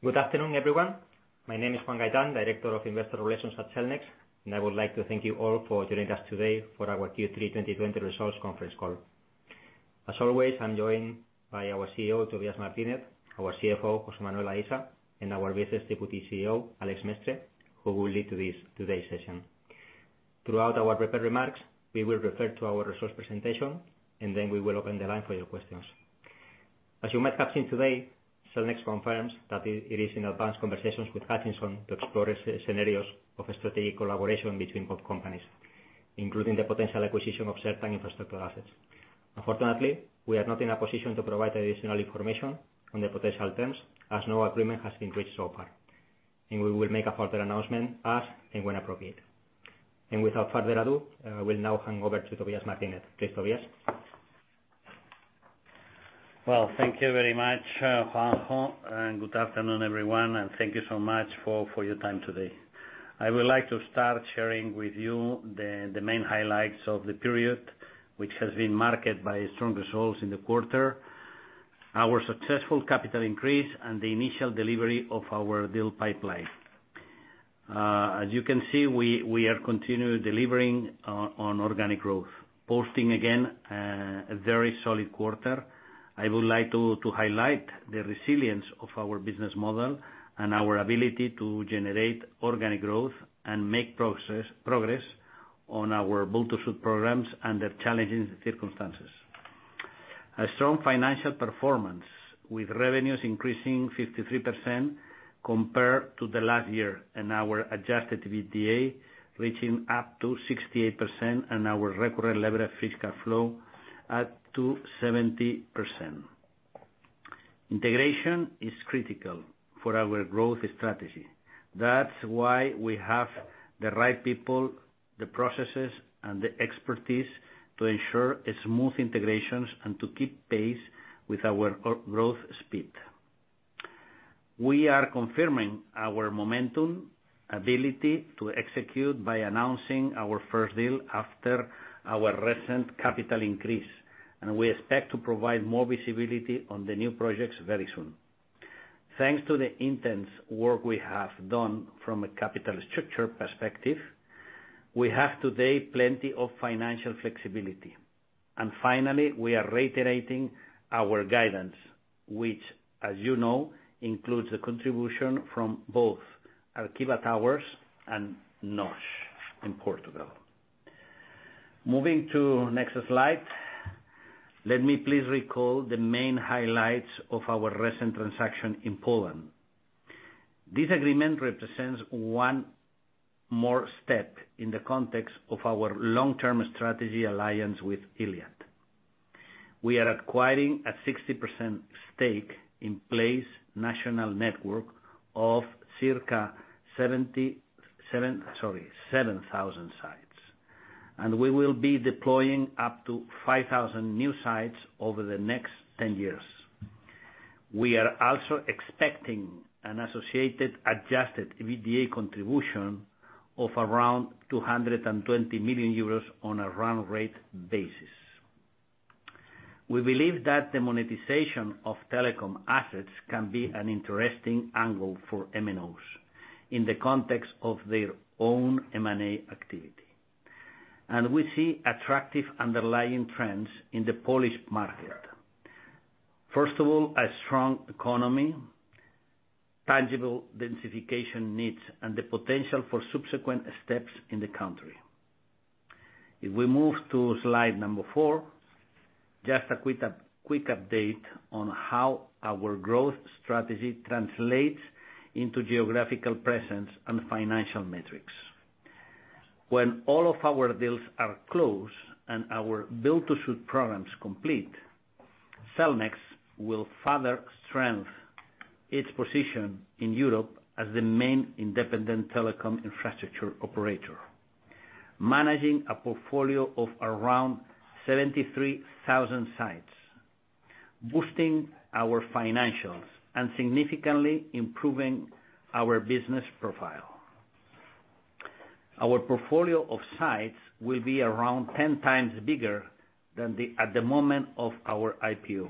Good afternoon, everyone. My name is Juan Gaitán, Director of Investor Relations at Cellnex, and I would like to thank you all for joining us today for our Q3 2020 results conference call. As always, I'm joined by our CEO, Tobías Martínez, our CFO, José Manuel Aisa, and our Business Deputy CEO, Alex Mestre, who will lead today's session. Throughout our prepared remarks, we will refer to our results presentation, and then we will open the line for your questions. As you might have seen today, Cellnex confirms that it is in advanced conversations with Hutchison to explore scenarios of strategic collaboration between both companies, including the potential acquisition of certain infrastructure assets. Unfortunately, we are not in a position to provide additional information on the potential terms, as no agreement has been reached so far, and we will make a further announcement as and when appropriate. Without further ado, I will now hand over to Tobías Martínez. Gracias, Tobías. Thank you very much, Juan, and good afternoon, everyone, and thank you so much for your time today. I would like to start sharing with you the main highlights of the period, which has been marked by strong results in the quarter, our successful capital increase, and the initial delivery of our deal pipeline. As you can see, we are continuing delivering on organic growth, posting again a very solid quarter. I would like to highlight the resilience of our business model and our ability to generate organic growth and make progress on our build-to-suit programs under challenging circumstances. A strong financial performance with revenues increasing 53% compared to the last year, and our Adjusted EBITDA reaching up to 68%, and our Recurrent Levered Free Cash Flow up to 70%. Integration is critical for our growth strategy. That's why we have the right people, the processes, and the expertise to ensure smooth integrations and to keep pace with our growth speed. We are confirming our momentum ability to execute by announcing our first deal after our recent capital increase, and we expect to provide more visibility on the new projects very soon. Thanks to the intense work we have done from a capital structure perspective, we have today plenty of financial flexibility. And finally, we are reiterating our guidance, which, as you know, includes the contribution from both Arqiva Towers and NOS in Portugal. Moving to the next slide, let me please recall the main highlights of our recent transaction in Poland. This agreement represents one more step in the context of our long-term strategy alliance with Iliad. We are acquiring a 60% stake in Play's national network of circa 7,000 sites, and we will be deploying up to 5,000 new sites over the next 10 years. We are also expecting an associated Adjusted EBITDA contribution of around 220 million euros on a run rate basis. We believe that the monetization of telecom assets can be an interesting angle for MNOs in the context of their own M&A activity, and we see attractive underlying trends in the Polish market. First of all, a strong economy, tangible densification needs, and the potential for subsequent steps in the country. If we move to slide number four, just a quick update on how our growth strategy translates into geographical presence and financial metrics. When all of our deals are closed and our build-to-suit programs complete, Cellnex will further strengthen its position in Europe as the main independent telecom infrastructure operator, managing a portfolio of around 73,000 sites, boosting our financials and significantly improving our business profile. Our portfolio of sites will be around 10 times bigger than at the moment of our IPO.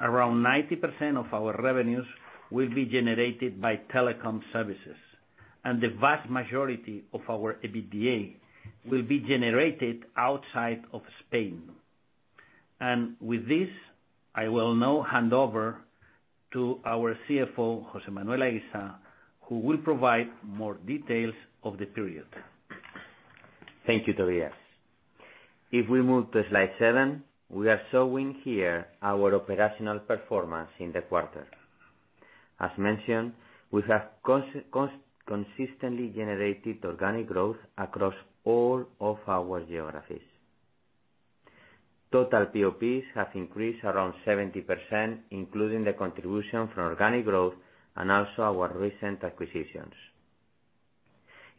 Around 90% of our revenues will be generated by telecom services, and the vast majority of our EBITDA will be generated outside of Spain. With this, I will now hand over to our CFO, José Manuel Aisa, who will provide more details of the period. Thank you, Tobías. If we move to slide seven, we are showing here our operational performance in the quarter. As mentioned, we have consistently generated organic growth across all of our geographies. Total POPs have increased around 70%, including the contribution from organic growth and also our recent acquisitions.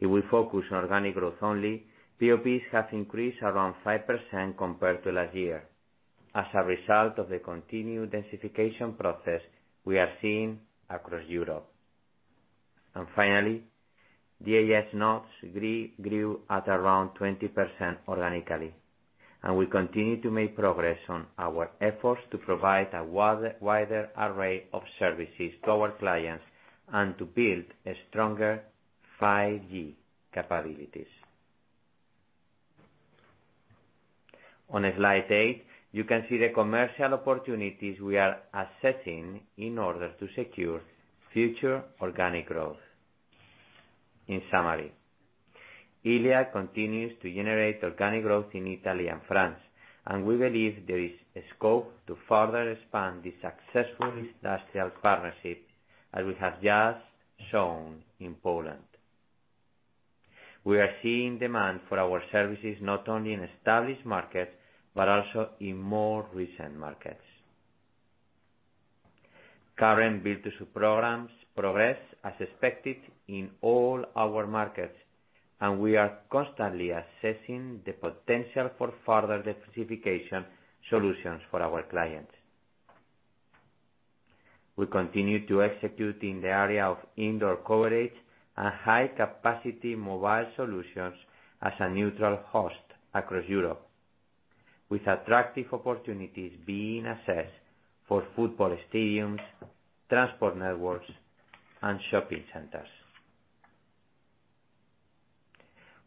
If we focus on organic growth only, POPs have increased around 5% compared to last year as a result of the continued densification process we are seeing across Europe, and finally, DAS nodes grew at around 20% organically, and we continue to make progress on our efforts to provide a wider array of services to our clients and to build stronger 5G capabilities. On slide eight, you can see the commercial opportunities we are assessing in order to secure future organic growth. In summary, Iliad continues to generate organic growth in Italy and France, and we believe there is scope to further expand this successful industrial partnership, as we have just shown in Poland. We are seeing demand for our services not only in established markets but also in more recent markets. Current build-to-suit programs progress as expected in all our markets, and we are constantly assessing the potential for further diversification solutions for our clients. We continue to execute in the area of indoor coverage and high-capacity mobile solutions as a neutral host across Europe, with attractive opportunities being assessed for football stadiums, transport networks, and shopping centers.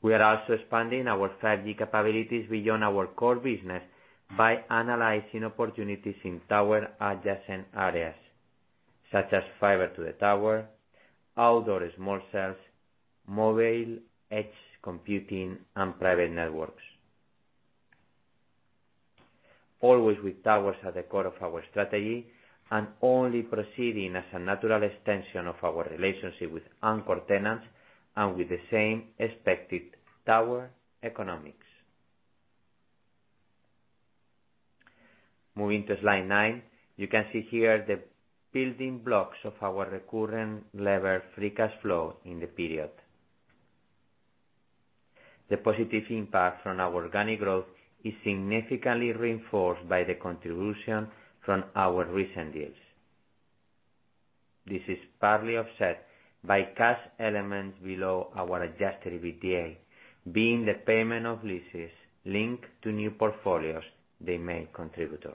We are also expanding our 5G capabilities beyond our core business by analyzing opportunities in tower-adjacent areas such as fiber to the tower, outdoor small cells, mobile edge computing, and private networks. Always with towers at the core of our strategy and only proceeding as a natural extension of our relationship with anchor tenants and with the same expected tower economics. Moving to slide nine, you can see here the building blocks of our recurrent levered free cash flow in the period. The positive impact from our organic growth is significantly reinforced by the contribution from our recent deals. This is partly offset by cash elements below our adjusted EBITDA, being the payment of leases linked to new portfolios they may contribute.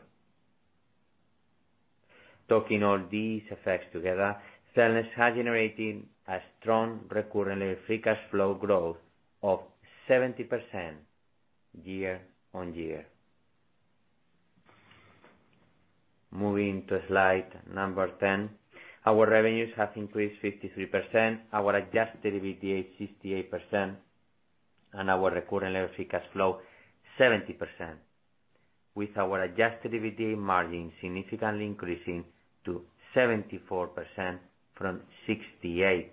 Talking all these effects together, Cellnex has generated a strong recurrent levered free cash flow growth of 70% year on year. Moving to slide number 10, our revenues have increased 53%, our adjusted EBITDA 68%, and our recurrent levered free cash flow 70%, with our adjusted EBITDA margin significantly increasing to 74% from 68%,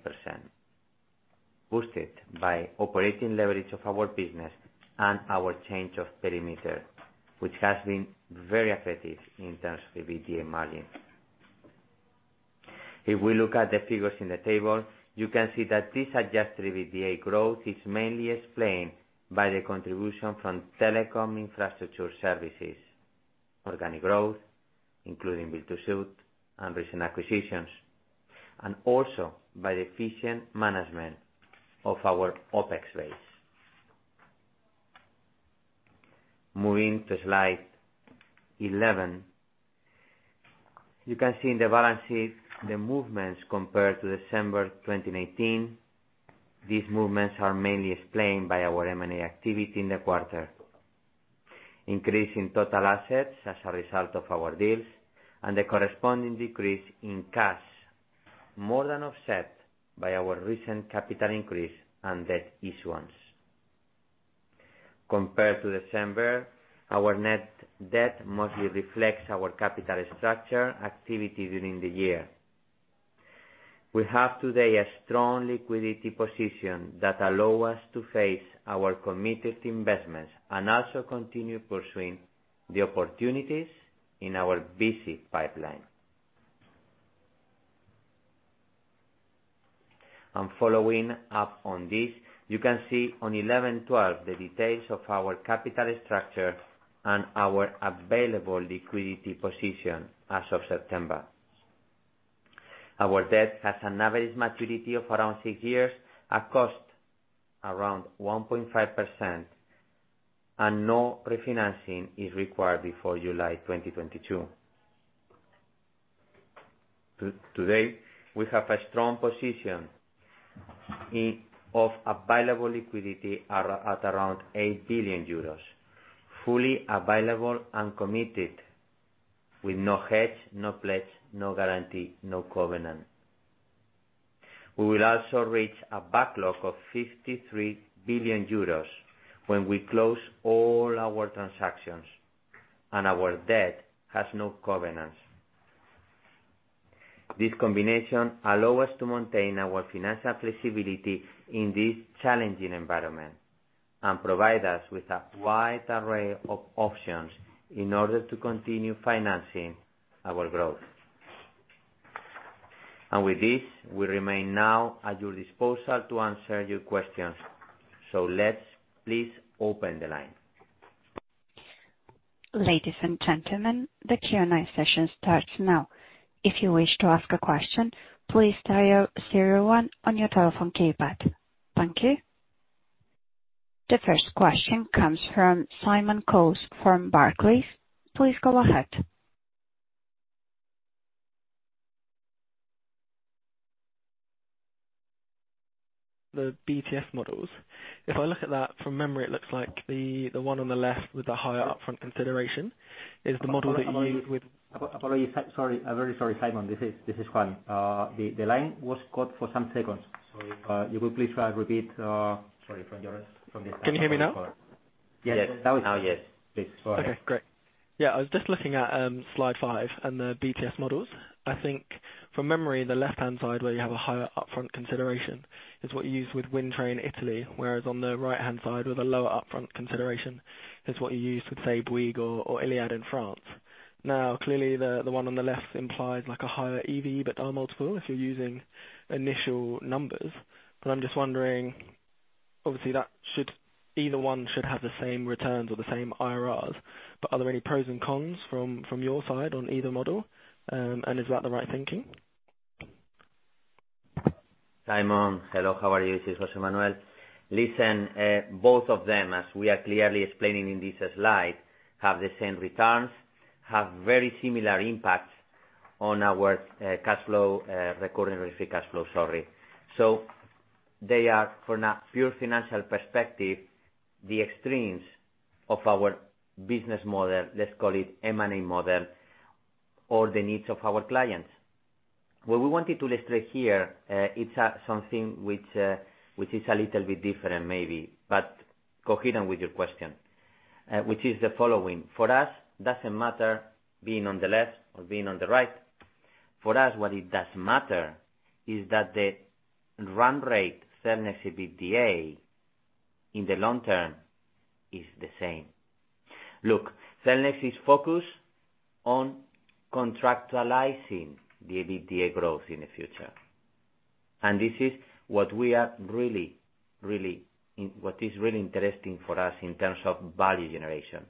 boosted by operating leverage of our business and our change of perimeter, which has been very effective in terms of EBITDA margin. If we look at the figures in the table, you can see that this adjusted EBITDA growth is mainly explained by the contribution from telecom infrastructure services, organic growth, including build-to-suit and recent acquisitions, and also by the efficient management of our OPEX base. Moving to slide 11, you can see in the balance sheet the movements compared to December 2018. These movements are mainly explained by our M&A activity in the quarter, increase in total assets as a result of our deals, and the corresponding decrease in cash, more than offset by our recent capital increase and debt issuance. Compared to December, our net debt mostly reflects our capital structure activity during the year. We have today a strong liquidity position that allows us to face our committed investments and also continue pursuing the opportunities in our BTS pipeline, and following up on this, you can see on 11/12 the details of our capital structure and our available liquidity position as of September. Our debt has an average maturity of around six years, a cost around 1.5%, and no refinancing is required before July 2022. Today, we have a strong position of available liquidity at around 8 billion euros, fully available and committed, with no hedge, no pledge, no guarantee, no covenant. We will also reach a backlog of 53 billion euros when we close all our transactions, and our debt has no covenants. This combination allows us to maintain our financial flexibility in this challenging environment and provide us with a wide array of options in order to continue financing our growth. And with this, we remain now at your disposal to answer your questions. So let's please open the line. Ladies and gentlemen, the Q&A session starts now. If you wish to ask a question, please dial zero one on your telephone keypad. Thank you. The first question comes from Simon Coles from Barclays. Please go ahead. The BTS models. If I look at that from memory, it looks like the one on the left with the higher upfront consideration is the model that you used with. Sorry. I'm very sorry, Simon. This is Juan. The line was cut for some seconds. Sorry. You could please repeat? Sorry. From your side. Can you hear me now? Yes. Now yes. Please. Okay. Great. Yeah. I was just looking at slide five and the BTS models. I think from memory, the left-hand side where you have a higher upfront consideration is what you use with Wind Tre Italy, whereas on the right-hand side with a lower upfront consideration is what you use with Salt Switzerland or Iliad in France. Now, clearly, the one on the left implies a higher EV but double multiple if you're using initial numbers. But I'm just wondering, obviously, either one should have the same returns or the same IRRs. But are there any pros and cons from your side on either model? And is that the right thinking? Simon, hello. How are you? This is José Manuel. Listen, both of them, as we are clearly explaining in this slide, have the same returns, have very similar impacts on our cash flow, recurrent levered free cash flow. Sorry. So they are, from a pure financial perspective, the extremes of our business model, let's call it M&A model, or the needs of our clients. What we wanted to illustrate here, it's something which is a little bit different maybe, but coherent with your question, which is the following. For us, it doesn't matter being on the left or being on the right. For us, what it does matter is that the run rate Cellnex EBITDA in the long term is the same. Look, Cellnex is focused on contractualizing the EBITDA growth in the future. This is what is really interesting for us in terms of value generation.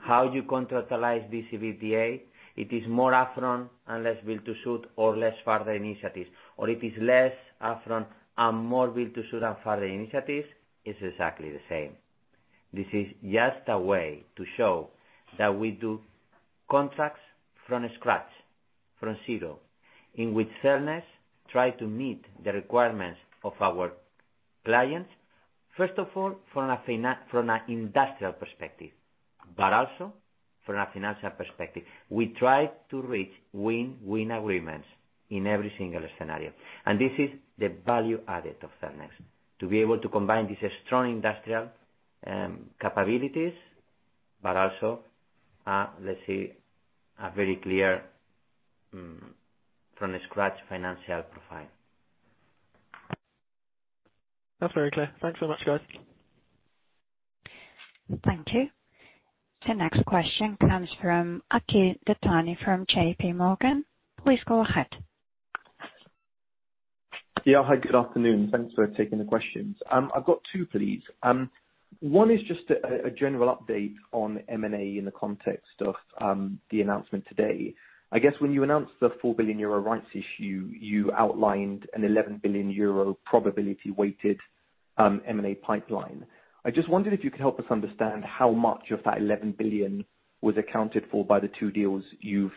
However you contractualize this EBITDA, it is more a fair rent and less build-to-suit or less further initiatives, or it is less a fair rent and more build-to-suit and further initiatives is exactly the same. This is just a way to show that we do contracts from scratch, from zero, in which Cellnex tries to meet the requirements of our clients, first of all, from an industrial perspective, but also from a financial perspective. We try to reach win-win agreements in every single scenario, and this is the value added of Cellnex, to be able to combine these strong industrial capabilities, but also, let's say, a very clear from-scratch financial profile. That's very clear. Thanks so much, guys. Thank you. The next question comes from Akhil Dattani from JP Morgan. Please go ahead. Yeah. Hi, good afternoon. Thanks for taking the questions. I've got two, please. One is just a general update on M&A in the context of the announcement today. I guess when you announced the 4 billion euro rights issue, you outlined an 11 billion euro probability-weighted M&A pipeline. I just wondered if you could help us understand how much of that 11 billion was accounted for by the two deals you've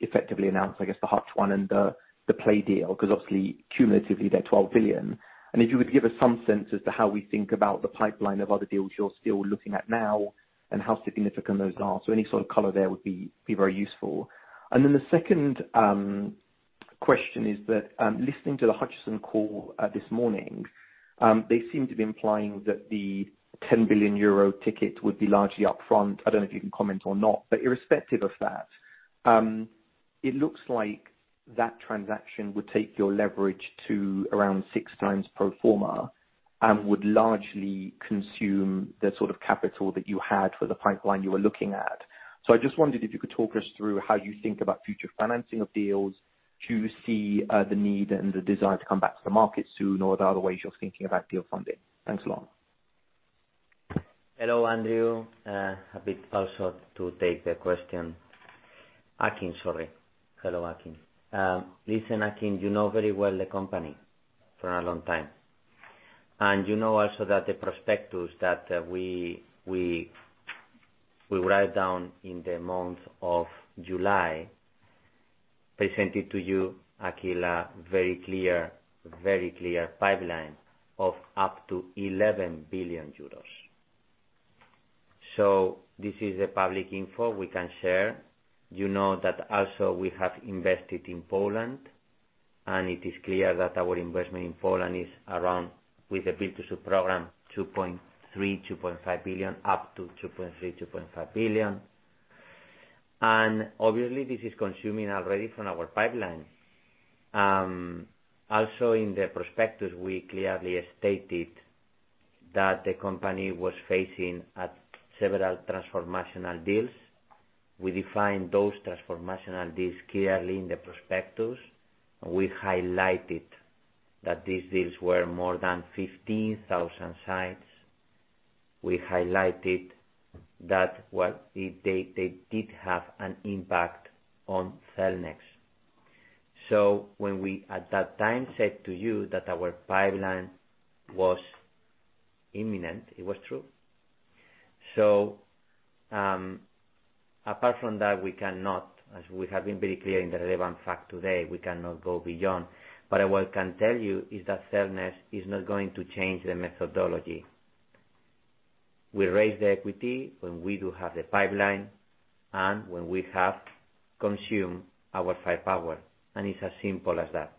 effectively announced, I guess, the Hutch one and the Play deal, because obviously, cumulatively, they're 12 billion. And if you could give us some sense as to how we think about the pipeline of other deals you're still looking at now and how significant those are. So any sort of color there would be very useful. And then the second question is that listening to the Hutchison call this morning, they seem to be implying that the 10 billion euro ticket would be largely upfront. I don't know if you can comment or not. But irrespective of that, it looks like that transaction would take your leverage to around six times pro forma and would largely consume the sort of capital that you had for the pipeline you were looking at. So I just wondered if you could talk us through how you think about future financing of deals to see the need and the desire to come back to the market soon or the other ways you're thinking about deal funding. Thanks a lot. Hello, Andrew. Happy also to take the question. Akhil, sorry. Hello, Akhil. Listen, Akhil, you know very well the company for a long time. And you know also that the prospectus that we write down in the month of July presented to you, Akhil, a very clear, very clear pipeline of up to 11 billion euros. So this is the public info we can share. You know that also we have invested in Poland, and it is clear that our investment in Poland is around, with the build-to-suit program, 2.3-2.5 billion, up to 2.3-2.5 billion. And obviously, this is consuming already from our pipeline. Also, in the prospectus, we clearly stated that the company was facing several transformational deals. We defined those transformational deals clearly in the prospectus, and we highlighted that these deals were more than 15,000 sites. We highlighted that, well, they did have an impact on Cellnex. So when we at that time said to you that our pipeline was imminent, it was true. So apart from that, we cannot, as we have been very clear in the relevant fact today, we cannot go beyond. But what I can tell you is that Cellnex is not going to change the methodology. We raise the equity when we do have the pipeline and when we have consumed our firepower. And it's as simple as that.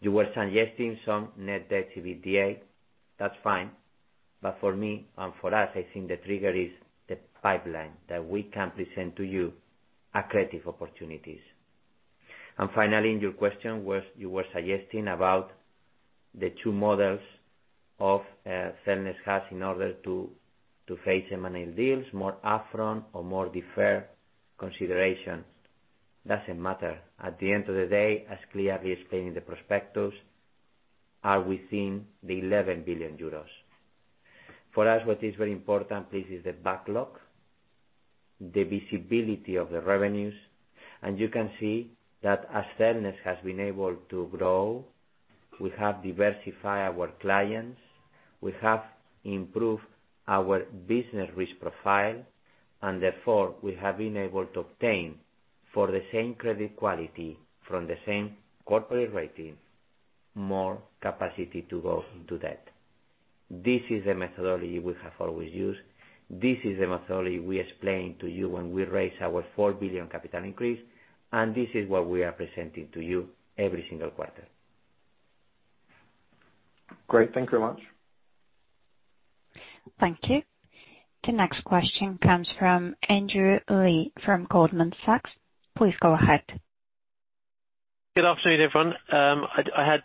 You were suggesting some net debt EBITDA. That's fine. But for me and for us, I think the trigger is the pipeline that we can present to you at attractive opportunities. And finally, in your question, you were suggesting about the two models of Cellnex has in order to face M&A deals, more upfront or more deferred consideration. Doesn't matter. At the end of the day, as clearly explained in the prospectus, are within the 11 billion euros. For us, what is very important, please, is the backlog, the visibility of the revenues. And you can see that as Cellnex has been able to grow, we have diversified our clients, we have improved our business risk profile, and therefore, we have been able to obtain for the same credit quality from the same corporate rating, more capacity to go into debt. This is the methodology we have always used. This is the methodology we explained to you when we raised our 4 billion capital increase, and this is what we are presenting to you every single quarter. Great. Thank you very much. Thank you. The next question comes from Andrew Lee from Goldman Sachs. Please go ahead. Good afterno`on, everyone. I had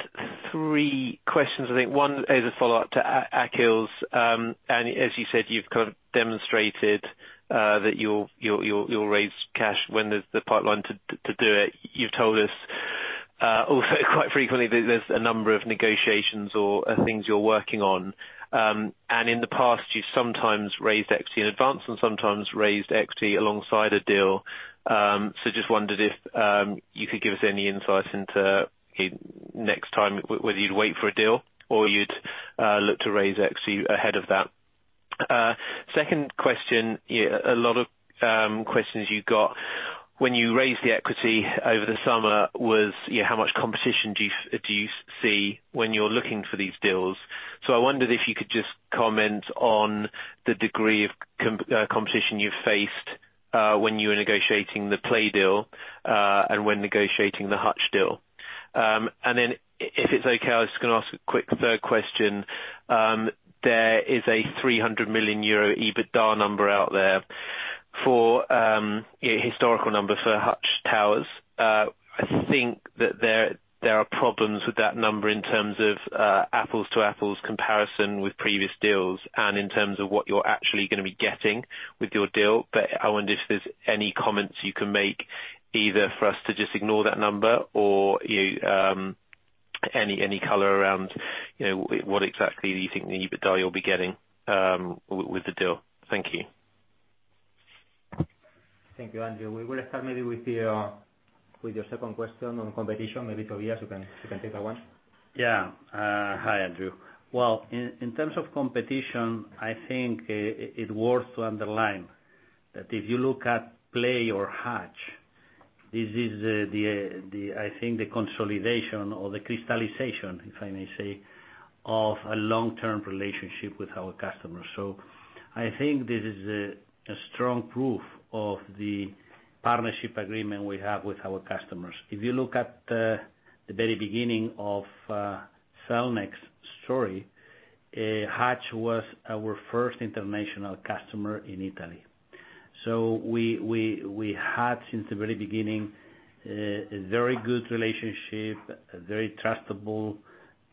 three questions, I think. One is a follow-up to Akhil's. And as you said, you've kind of demonstrated that you'll raise cash when there's the pipeline to do it. You've told us also quite frequently that there's a number of negotiations or things you're working on. And in the past, you've sometimes raised equity in advance and sometimes raised equity alongside a deal. So just wondered if you could give us any insights into next time, whether you'd wait for a deal or you'd look to raise equity ahead of that. Second question, a lot of questions you got when you raised the equity over the summer was how much competition do you see when you're looking for these deals? So I wondered if you could just comment on the degree of competition you've faced when you were negotiating the Play deal and when negotiating the Hutch deal. And then if it's okay, I was just going to ask a quick third question. There is a 300 million euro EBITDA number out there for historical number for Hutch Towers. I think that there are problems with that number in terms of apples-to-apples comparison with previous deals and in terms of what you're actually going to be getting with your deal. But I wonder if there's any comments you can make either for us to just ignore that number or any color around what exactly do you think the EBITDA you'll be getting with the deal. Thank you. Thank you, Andrew. We will start maybe with your second question on competition. Maybe Tobías, you can take that one. Yeah. Hi, Andrew. Well, in terms of competition, I think it's worth to underline that if you look at Play or Hutch, this is, I think, the consolidation or the crystallization, if I may say, of a long-term relationship with our customers. So I think this is a strong proof of the partnership agreement we have with our customers. If you look at the very beginning of Cellnex's story, Hutch was our first international customer in Italy. So we had, since the very beginning, a very good relationship, a very trustable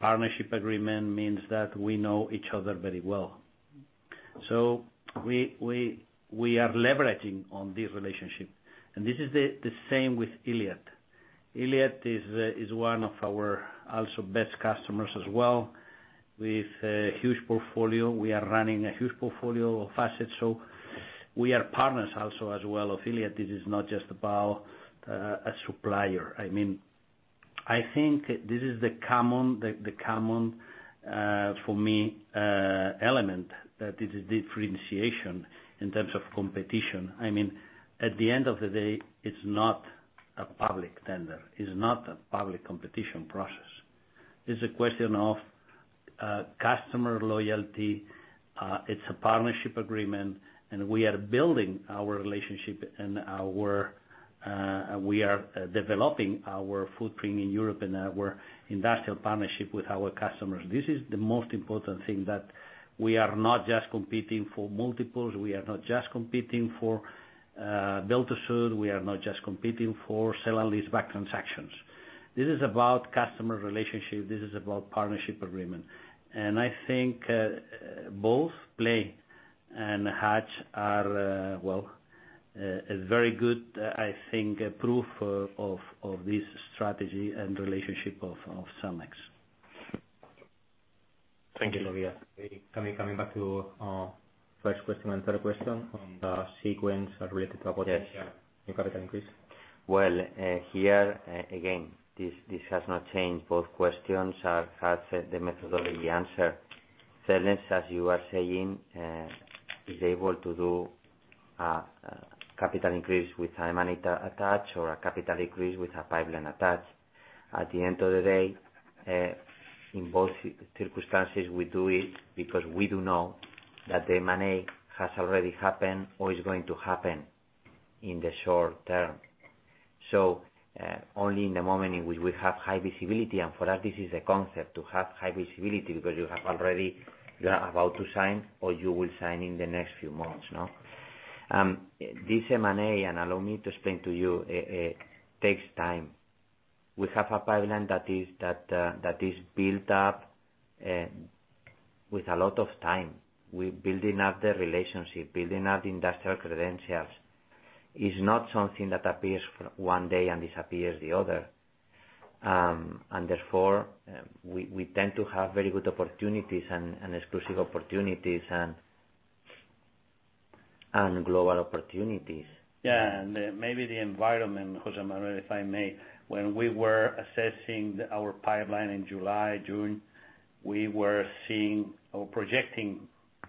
partnership agreement, means that we know each other very well. So we are leveraging on this relationship. And this is the same with Iliad. Iliad is one of our also best customers as well with a huge portfolio. We are running a huge portfolio of assets. So we are partners also as well of Iliad. This is not just about a supplier. I mean, I think this is the common for me element, that this is differentiation in terms of competition. I mean, at the end of the day, it's not a public tender. It's not a public competition process. It's a question of customer loyalty. It's a partnership agreement, and we are building our relationship, and we are developing our footprint in Europe and our industrial partnership with our customers. This is the most important thing, that we are not just competing for multiples. We are not just competing for build-to-suit. We are not just competing for sale and leaseback transactions. This is about customer relationship. This is about partnership agreement. And I think both Play and Hutch are, well, a very good, I think, proof of this strategy and relationship of Cellnex. Thank you, Tobías. Thank you. Coming back to first question and third question on the sequence related to capital increase. Here, again, this has not changed. Both questions have the methodology answer. Cellnex, as you are saying, is able to do a capital increase with M&A attached or a capital increase with a pipeline attached. At the end of the day, in both circumstances, we do it because we do know that the M&A has already happened or is going to happen in the short term. Only in the moment in which we have high visibility, and for us, this is the concept to have high visibility because you have already you are about to sign or you will sign in the next few months. This M&A, and allow me to explain to you, takes time. We have a pipeline that is built up with a lot of time. Building up the relationship, building up the industrial credentials is not something that appears one day and disappears the other, and therefore, we tend to have very good opportunities and exclusive opportunities and global opportunities. Yeah, and maybe the environment, José Manuel, if I may, when we were assessing our pipeline in July, June, we were seeing or projecting,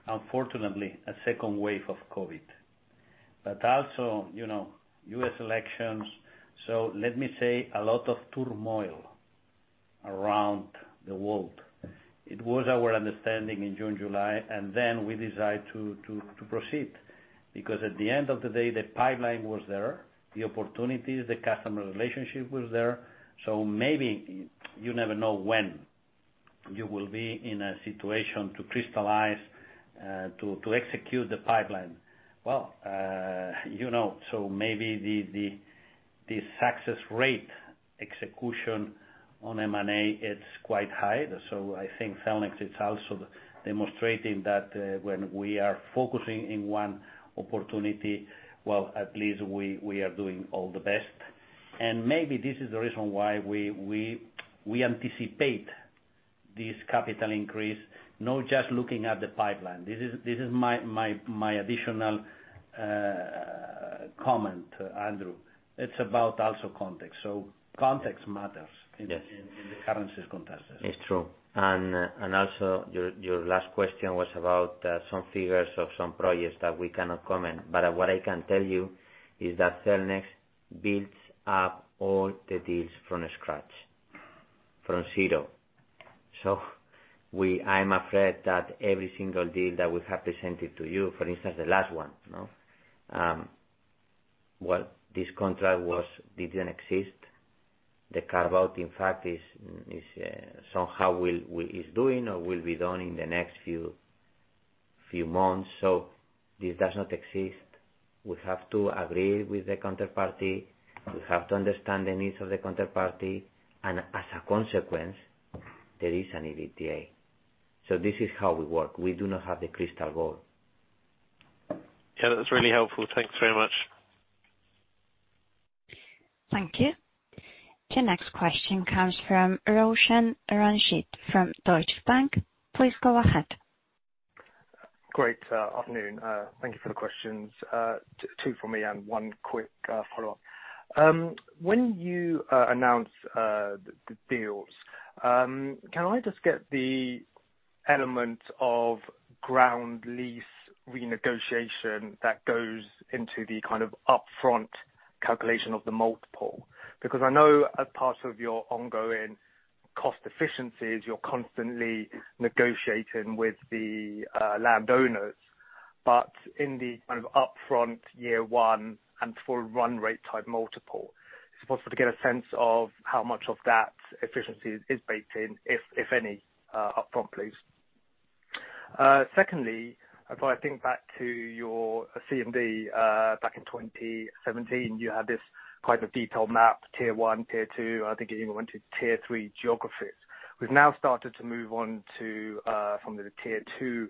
unfortunately, a second wave of COVID, but also U.S. elections, so let me say a lot of turmoil around the world. It was our understanding in June, July, and then we decided to proceed because at the end of the day, the pipeline was there, the opportunities, the customer relationship was there, so maybe you never know when you will be in a situation to crystallize, to execute the pipeline. Well, so maybe the success rate execution on M&A, it's quite high. So I think Cellnex is also demonstrating that when we are focusing on one opportunity, well, at least we are doing our best. And maybe this is the reason why we anticipate this capital increase, not just looking at the pipeline. This is my additional comment, Andrew. It's also about context. So context matters in the current circumstances. Yes. It's true and also, your last question was about some figures of some projects that we cannot comment, but what I can tell you is that Cellnex builds up all the deals from scratch, from zero, so I'm afraid that every single deal that we have presented to you, for instance, the last one, well, this contract didn't exist. The carve-out, in fact, is somehow is doing or will be done in the next few months, so this does not exist. We have to agree with the counterparty. We have to understand the needs of the counterparty and as a consequence, there is an EBITDA, so this is how we work. We do not have the crystal ball. Yeah, that's really helpful. Thanks very much. Thank you. The next question comes from Roshan Ranjit from Deutsche Bank. Please go ahead. Good afternoon. Thank you for the questions. Two from me and one quick follow-up. When you announce the deals, can I just get the element of ground lease renegotiation that goes into the kind of upfront calculation of the multiple? Because I know as part of your ongoing cost efficiencies, you're constantly negotiating with the landowners. But in the kind of upfront year one and for a run rate type multiple, is it possible to get a sense of how much of that efficiency is baked in, if any upfront, please? Secondly, if I think back to your CMD back in 2017, you had this kind of detailed map, tier one, tier two, and I think it even went to tier three geographies. We've now started to move on to some of the tier two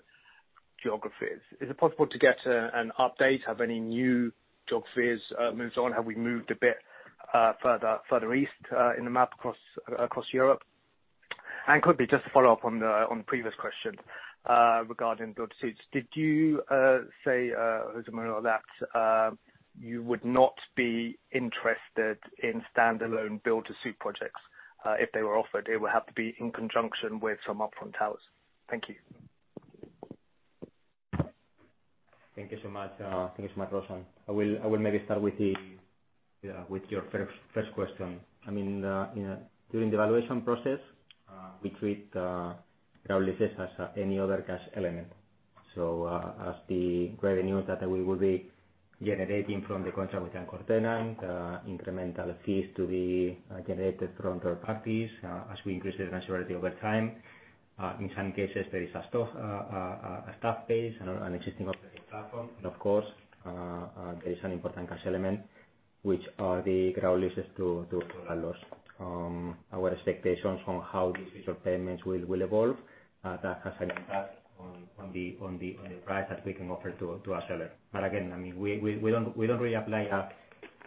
geographies. Is it possible to get an update of any new geographies moved on? Have we moved a bit further east in the map across Europe? And quickly, just to follow up on the previous question regarding build-to-suit, did you say, José Manuel, that you would not be interested in standalone build-to-suit projects if they were offered? It would have to be in conjunction with some upfront towers. Thank you. Thank you so much. Thank you so much, Roshan. I will maybe start with your first question. I mean, during the evaluation process, we treat ground leases as any other cash element. So as the revenues that we will be generating from the contract with the counterparty, the incremental fees to be generated from third parties as we increase the maturity over time. In some cases, there is an asset base and an existing operating platform. And of course, there is an important cash element, which are the ground leases to landlords. Our expectations on how these future payments will evolve, that has an impact on the price that we can offer to our seller. But again, I mean, we don't really apply a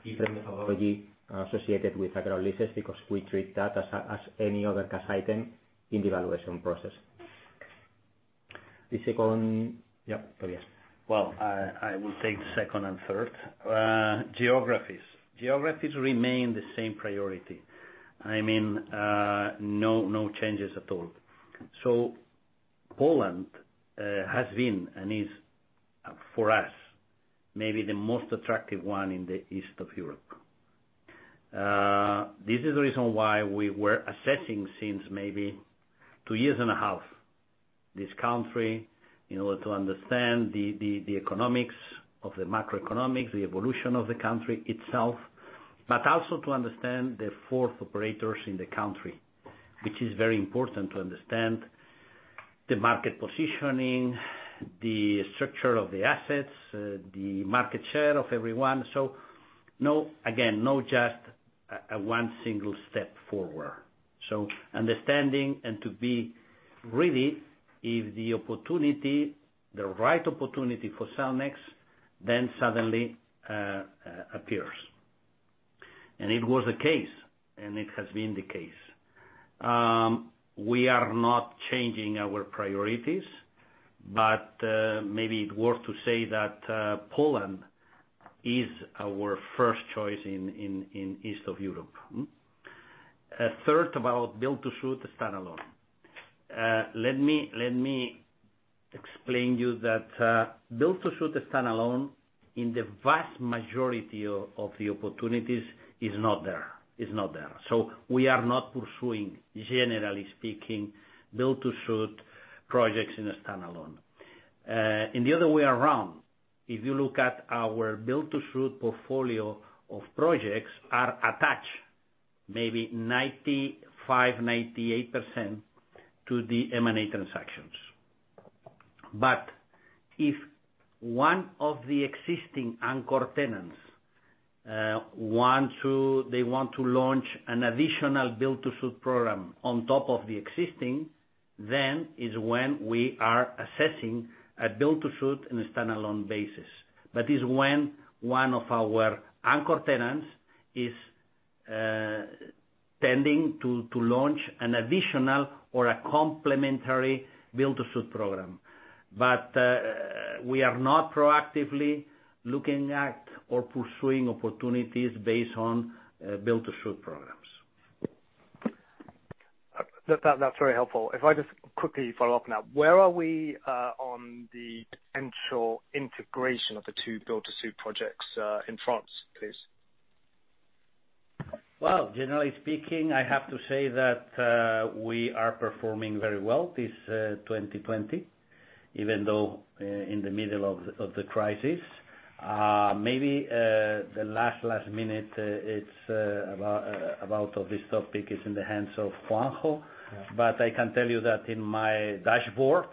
different methodology associated with ground leases because we treat that as any other cash item in the evaluation process. The second, yeah, Tobías. I will take the second and third. Geographies remain the same priority. I mean, no changes at all. Poland has been and is, for us, maybe the most attractive one in the east of Europe. This is the reason why we were assessing since maybe two years and a half this country in order to understand the economics of the macroeconomics, the evolution of the country itself, but also to understand the fourth operators in the country, which is very important to understand the market positioning, the structure of the assets, the market share of everyone. Again, not just one single step forward. Understanding and to be ready if the opportunity, the right opportunity for Cellnex then suddenly appears. It was the case, and it has been the case. We are not changing our priorities, but maybe it's worth to say that Poland is our first choice in east of Europe. Third about build-to-suit standalone. Let me explain to you that build-to-suit standalone in the vast majority of the opportunities is not there. It's not there. So we are not pursuing, generally speaking, build-to-suit projects in standalone. In the other way around, if you look at our build-to-suit portfolio of projects, are attached maybe 95%-98% to the M&A transactions. But if one of the existing anchor tenants wants to launch an additional build-to-suit program on top of the existing, then is when we are assessing a build-to-suit in a standalone basis. But it's when one of our anchor tenants is tending to launch an additional or a complementary build-to-suit program. But we are not proactively looking at or pursuing opportunities based on build-to-suit programs. That's very helpful. If I just quickly follow up on that, where are we on the potential integration of the two build-to-suit projects in France, please? Generally speaking, I have to say that we are performing very well this 2020, even though in the middle of the crisis. Maybe the last minute, it's about this topic is in the hands of Juanjo. But I can tell you that in my dashboard,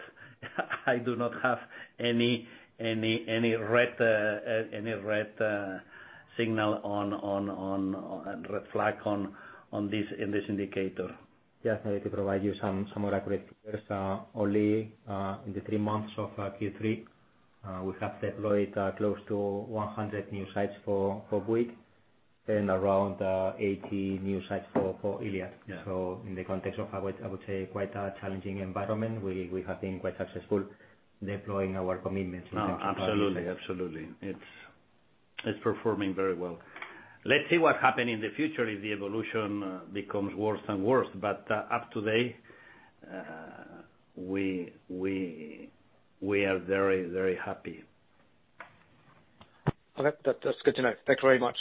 I do not have any red signal or red flag on this indicator. Yeah, I can provide you some more accurate figures. Only in the three months of Q3, we have deployed close to 100 new sites for Bouygues and around 80 new sites for Iliad. So in the context of, I would say, quite a challenging environment, we have been quite successful deploying our commitments in terms of. Absolutely. Absolutely. It's performing very well. Let's see what happens in the future if the evolution becomes worse and worse. But up to date, we are very, very happy. Okay. That's good to know. Thank you very much.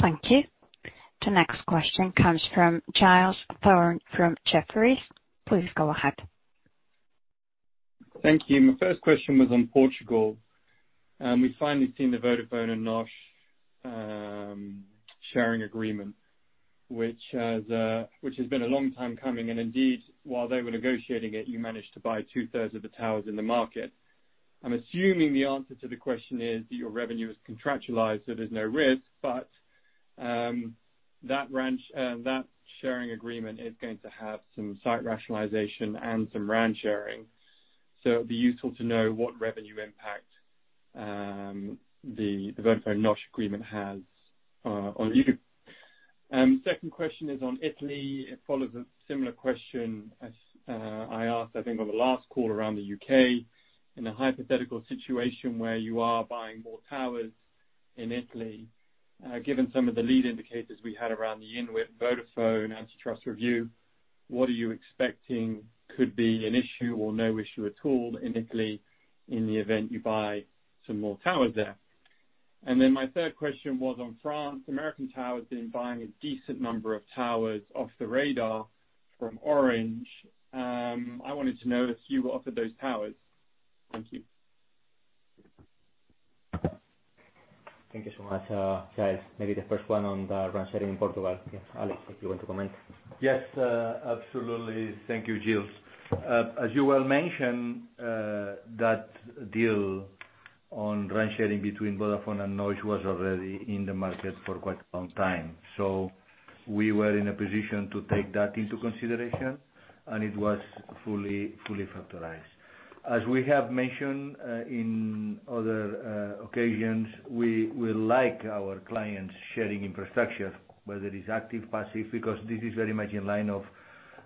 Thank you. The next question comes from Giles Thorne from Jefferies. Please go ahead. Thank you. My first question was on Portugal. We've finally seen the Vodafone and NOS sharing agreement, which has been a long time coming, and indeed, while they were negotiating it, you managed to buy two-thirds of the towers in the market. I'm assuming the answer to the question is that your revenue is contractualized, so there's no risk, but that sharing agreement is going to have some site rationalization and some RAN sharing, so it'd be useful to know what revenue impact the Vodafone-NOS agreement has on you. Second question is on Italy. It follows a similar question I asked, I think, on the last call around the UK. In a hypothetical situation where you are buying more towers in Italy, given some of the lead indicators we had around the deal with Vodafone antitrust review, what are you expecting could be an issue or no issue at all in Italy in the event you buy some more towers there? And then my third question was on France. American Tower has been buying a decent number of towers off the radar from Orange. I wanted to know if you offered those towers. Thank you. Thank you so much, Giles. Maybe the first one on the RAN sharing in Portugal. Yeah, Alex, if you want to comment. Yes, absolutely. Thank you, Giles. As you well mentioned, that deal on RAN sharing between Vodafone and NOS was already in the market for quite a long time. So we were in a position to take that into consideration, and it was fully factored. As we have mentioned in other occasions, we like our clients sharing infrastructure, whether it's active, passive, because this is very much in line with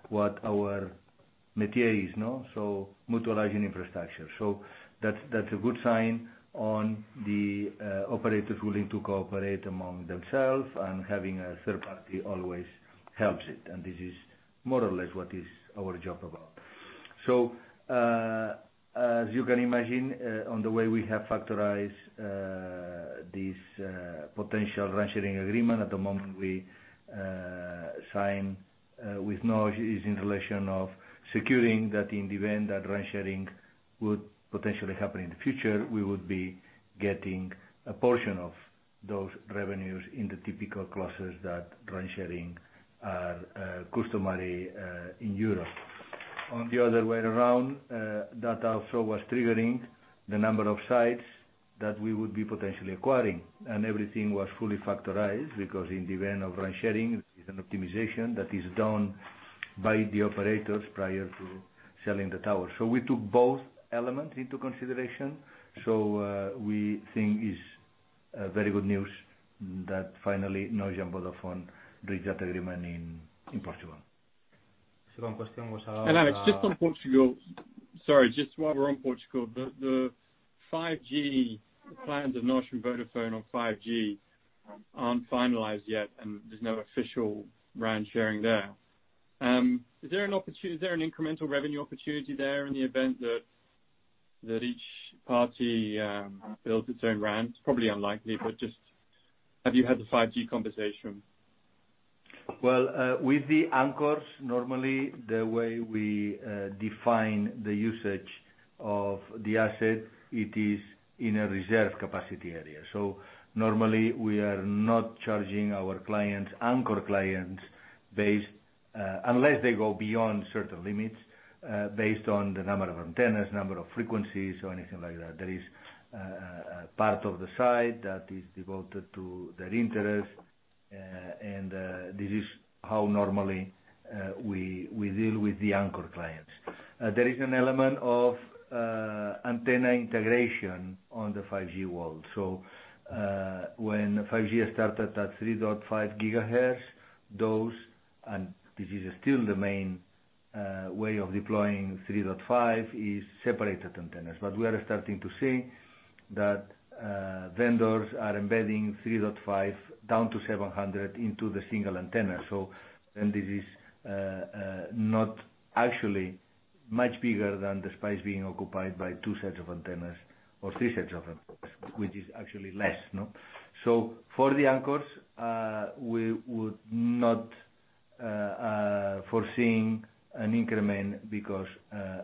what our métier is, so mutualizing infrastructure. So that's a good sign on the operators willing to cooperate among themselves, and having a third party always helps it, and this is more or less what our job is about. As you can imagine, along the way we have factored this potential RAN sharing agreement. At the moment we signed with NOS, it was in relation to securing that in the event that RAN sharing would potentially happen in the future, we would be getting a portion of those revenues in the typical clusters that RAN sharing is customary in Europe. On the other way around, that also was triggering the number of sites that we would be potentially acquiring. Everything was fully factored because in the event of RAN sharing, there is an optimization that is done by the operators prior to selling the towers. We think it's very good news that finally NOS and Vodafone reached that agreement in Portugal. Second question was about. Alex, just on Portugal. Sorry, just while we're on Portugal, the 5G plans of NOS and Vodafone on 5G aren't finalized yet, and there's no official RAN sharing there. Is there an incremental revenue opportunity there in the event that each party builds its own RAN? It's probably unlikely, but just have you had the 5G conversation? With the anchors, normally the way we define the usage of the asset, it is in a reserve capacity area. So normally we are not charging our clients, anchor clients, unless they go beyond certain limits based on the number of antennas, number of frequencies, or anything like that. There is a part of the site that is devoted to their interest, and this is how normally we deal with the anchor clients. There is an element of antenna integration on the 5G world. So when 5G started at 3.5 gigahertz, those, and this is still the main way of deploying 3.5, is separated antennas. But we are starting to see that vendors are embedding 3.5 down to 700 into the single antenna. So then this is not actually much bigger than the space being occupied by two sets of antennas or three sets of antennas, which is actually less. So for the anchors, we would not foresee an increment because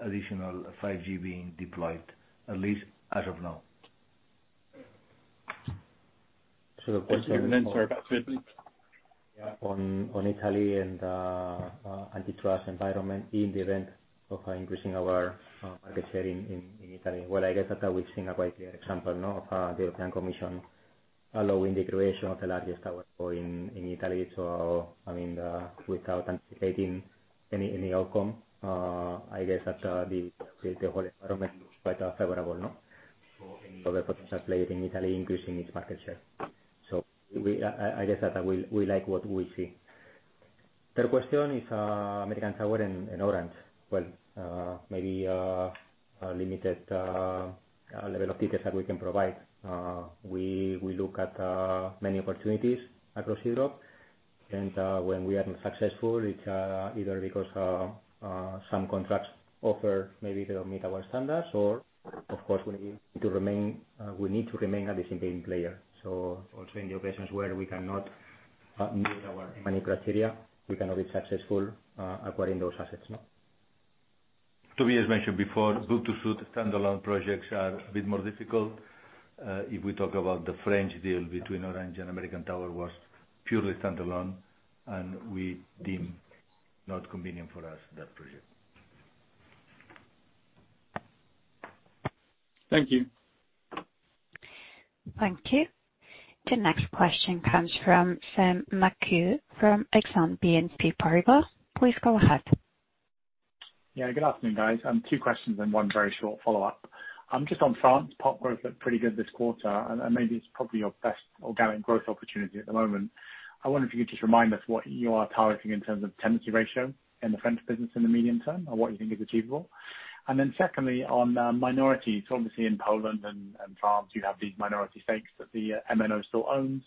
additional 5G being deployed, at least as of now. The question is about. On Italy and antitrust environment in the event of increasing our market share in Italy. Well, I guess that we've seen a quite clear example of the European Commission allowing the creation of the largest TowerCo in Italy. So I mean, without anticipating any outcome, I guess that the whole environment looks quite favorable for any other potential player in Italy increasing its market share. So I guess that we like what we see. Third question is American Tower and Orange. Well, maybe a limited level of details that we can provide. We look at many opportunities across Europe. And when we are not successful, it's either because some contracts offer maybe they don't meet our standards, or of course, we need to remain at the same player. So also in the operations where we cannot meet our many criteria, we cannot be successful acquiring those assets. Tobías, as mentioned before, build-to-suit standalone projects are a bit more difficult. If we talk about the French deal between Orange and American Tower, it was purely standalone, and we deemed not convenient for us that project. Thank you. Thank you. The next question comes from Sam McHugh from Exane BNP Paribas. Please go ahead. Yeah, good afternoon, guys. Two questions and one very short follow-up. Just on France, ARPU growth looked pretty good this quarter, and maybe it's probably your best organic growth opportunity at the moment. I wonder if you could just remind us what you are targeting in terms of tenancy ratio in the French business in the medium term and what you think is achievable. And then secondly, on minorities, obviously in Poland and France, you have these minority stakes that the MNO still owns.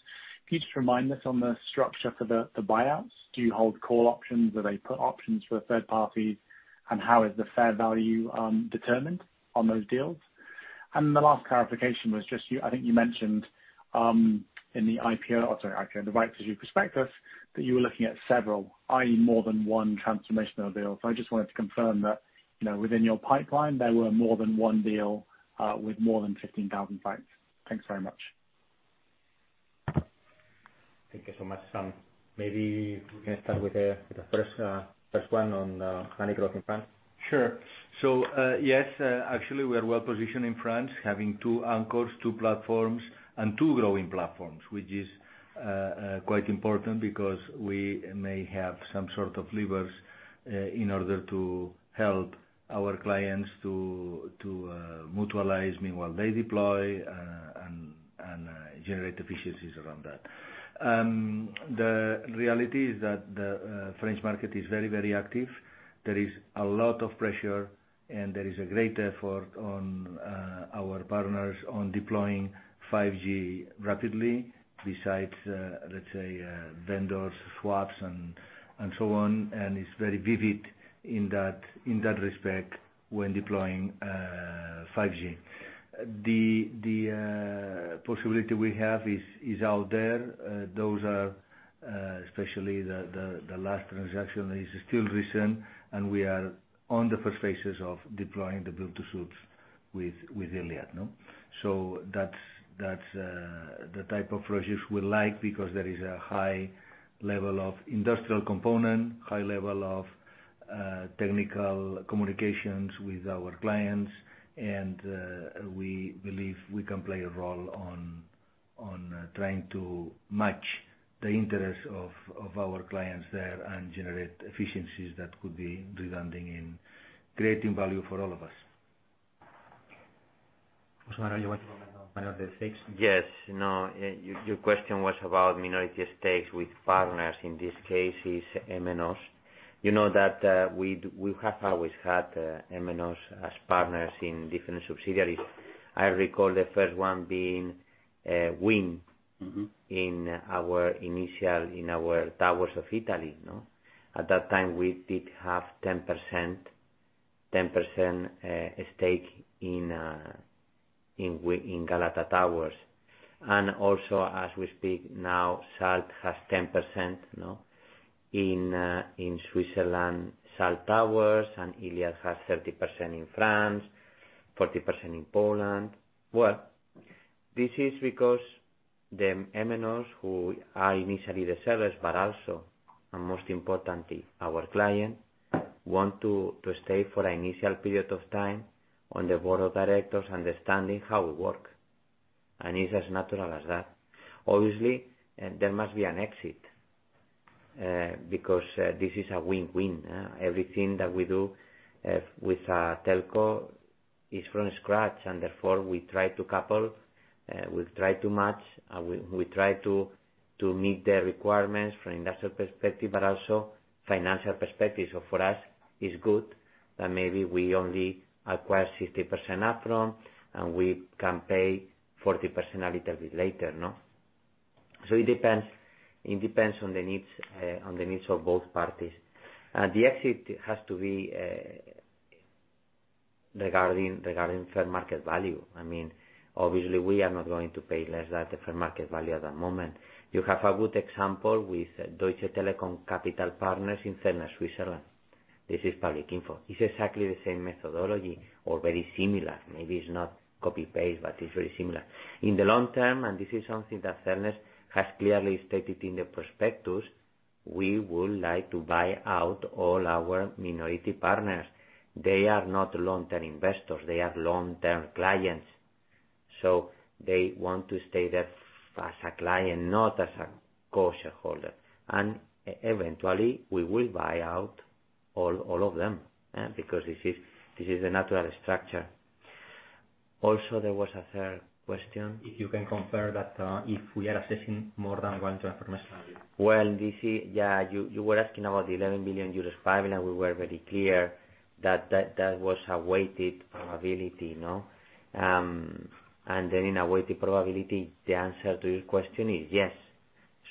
Could you just remind us on the structure for the buyouts? Do you hold call options? Do they put options for third parties? And how is the fair value determined on those deals? And the last clarification was just I think you mentioned in the IPO, I'm sorry, IPO, the rights issue prospectus, that you were looking at several, i.e., more than one transformational deal. So I just wanted to confirm that within your pipeline, there were more than one deal with more than 15,000 sites. Thanks very much. Thank you so much. Maybe we can start with the first one on the managing growth in France. Sure. So yes, actually, we are well positioned in France, having two anchors, two platforms, and two growing platforms, which is quite important because we may have some sort of levers in order to help our clients to mutualize meanwhile they deploy and generate efficiencies around that. The reality is that the French market is very, very active. There is a lot of pressure, and there is a great effort on our partners on deploying 5G rapidly besides, let's say, vendors, swaps, and so on. And it's very vivid in that respect when deploying 5G. The possibility we have is out there. Those are especially the last transaction that is still recent, and we are on the first phases of deploying the build-to-suits with Iliad. So that's the type of projects we like because there is a high level of industrial component, high level of technical communications with our clients. We believe we can play a role in trying to match the interests of our clients there and generate efficiencies that could be redundant in creating value for all of us. I want to comment on the minority stakes. Yes. No, your question was about minority stakes with partners. In this case, it's MNOs. You know that we have always had MNOs as partners in different subsidiaries. I recall the first one being Wind in our initial towers in Italy. At that time, we did have 10% stake in Galata Towers. And also, as we speak now, Salt has 10% in Switzerland, Salt Towers, and Iliad has 30% in France, 40% in Poland. This is because the MNOs who are initially the sellers, but also, and most importantly, our client want to stay for an initial period of time on the board of directors, understanding how we work. And it's as natural as that. Obviously, there must be an exit because this is a win-win. Everything that we do with Telco is from scratch, and therefore we try to couple, we try to match, we try to meet their requirements from industrial perspective, but also financial perspective. So for us, it's good that maybe we only acquire 60% upfront, and we can pay 40% a little bit later. So it depends on the needs of both parties. The exit has to be regarding fair market value. I mean, obviously, we are not going to pay less than the fair market value at the moment. You have a good example with Deutsche Telekom Capital Partners in Cellnex Switzerland. This is public info. It's exactly the same methodology or very similar. Maybe it's not copy-paste, but it's very similar. In the long term, and this is something that Cellnex has clearly stated in the prospectus, we would like to buy out all our minority partners. They are not long-term investors. They are long-term clients. So they want to stay there as a client, not as a co-shareholder. And eventually, we will buy out all of them because this is the natural structure. Also, there was a third question. If you can confirm that if we are assessing more than one transformational? Well, yeah, you were asking about the 11 billion euros pipeline. We were very clear that that was a weighted probability, and then in a weighted probability, the answer to your question is yes.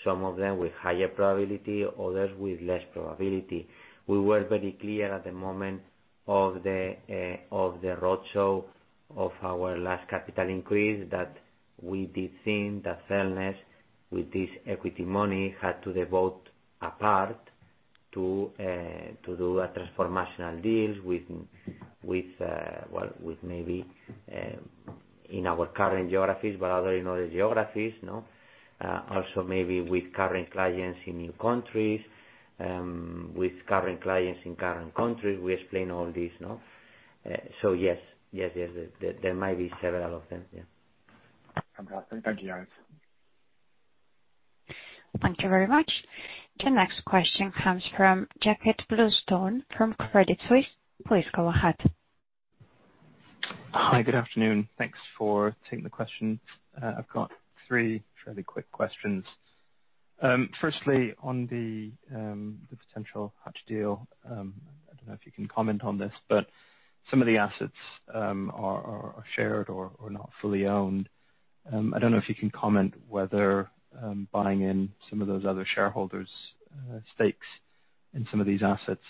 Some of them with higher probability, others with less probability. We were very clear at the moment of the roadshow of our last capital increase that we did think that Cellnex, with this equity money, had to devote a part to do a transformational deal with, well, with maybe in our current geographies, but other in other geographies, also maybe with current clients in new countries, with current clients in current countries. We explain all this, so yes, yes, yes. There might be several of them. Yeah. Fantastic. Thank you, Alex. Thank you very much. The next question comes from Jakob Bluestone from Credit Suisse. Please go ahead. Hi, good afternoon. Thanks for taking the question. I've got three fairly quick questions. Firstly, on the potential Hutch deal, I don't know if you can comment on this, but some of the assets are shared or not fully owned. I don't know if you can comment whether buying in some of those other shareholders' stakes in some of these assets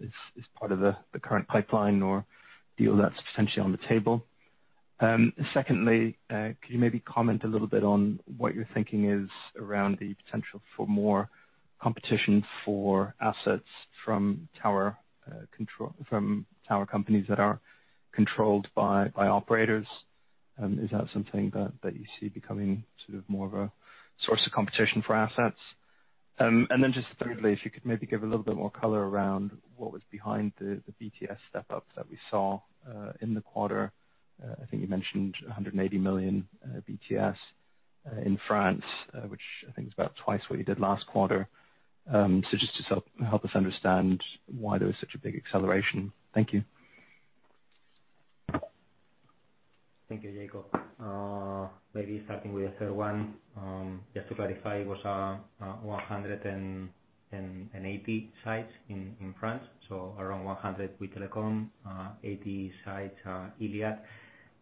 is part of the current pipeline or deal that's potentially on the table. Secondly, could you maybe comment a little bit on what you're thinking is around the potential for more competition for assets from tower companies that are controlled by operators? Is that something that you see becoming sort of more of a source of competition for assets? And then just thirdly, if you could maybe give a little bit more color around what was behind the BTS step-ups that we saw in the quarter. I think you mentioned 180 million BTS in France, which I think was about twice what you did last quarter. So just to help us understand why there was such a big acceleration? Thank you. Thank you, Jakob. Maybe starting with the third one, just to clarify, it was 180 sites in France, so around 100 with Telecom, 80 sites Iliad.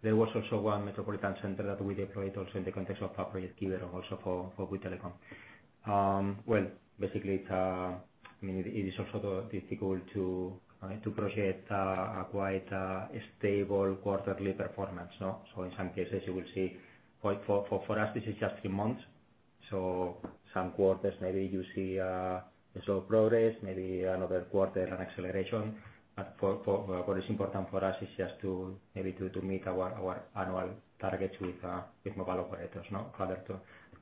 There was also one metropolitan center that we deployed also in the context of our Project Quiberon, also for Telecom. Well, basically, I mean, it is also difficult to project a quite stable quarterly performance. So in some cases, you will see for us, this is just three months. So some quarters, maybe you see slow progress, maybe another quarter, an acceleration. But what is important for us is just to maybe meet our annual targets with mobile operators,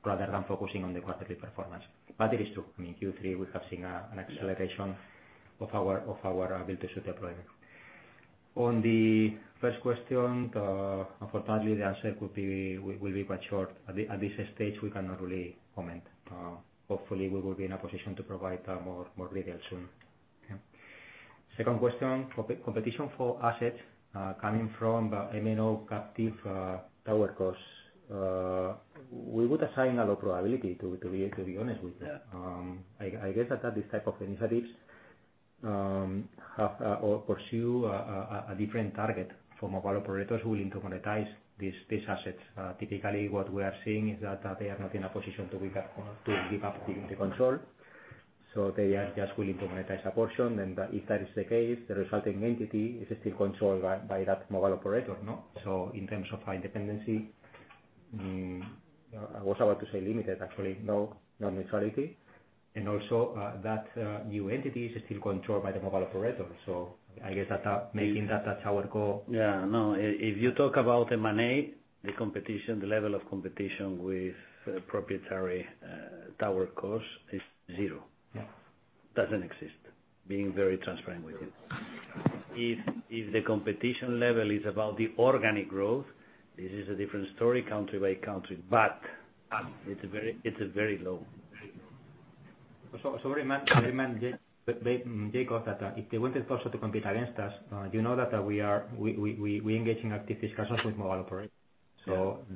rather than focusing on the quarterly performance. But it is true. I mean, Q3, we have seen an acceleration of our build-to-suits deployment. On the first question, unfortunately, the answer will be quite short. At this stage, we cannot really comment. Hopefully, we will be in a position to provide more details soon. Second question, competition for assets coming from MNO captive TowerCos. We would assign a low probability, to be honest with you. I guess that these types of initiatives pursue a different target for mobile operators willing to monetize these assets. Typically, what we are seeing is that they are not in a position to give up the control. So they are just willing to monetize a portion. And if that is the case, the resulting entity is still controlled by that mobile operator. So in terms of independence, I was about to say limited, actually. No, not neutrality. And also that new entity is still controlled by the mobile operator. So I guess that making that a TowerCo. Yeah. No, if you talk about M&A, the level of competition with proprietary TowerCos is zero. Doesn't exist, being very transparent with you. If the competition level is about the organic growth, this is a different story country by country. But it's very low. Remind Jakob that if they wanted also to compete against us, you know that we engage in active discussions with mobile operators.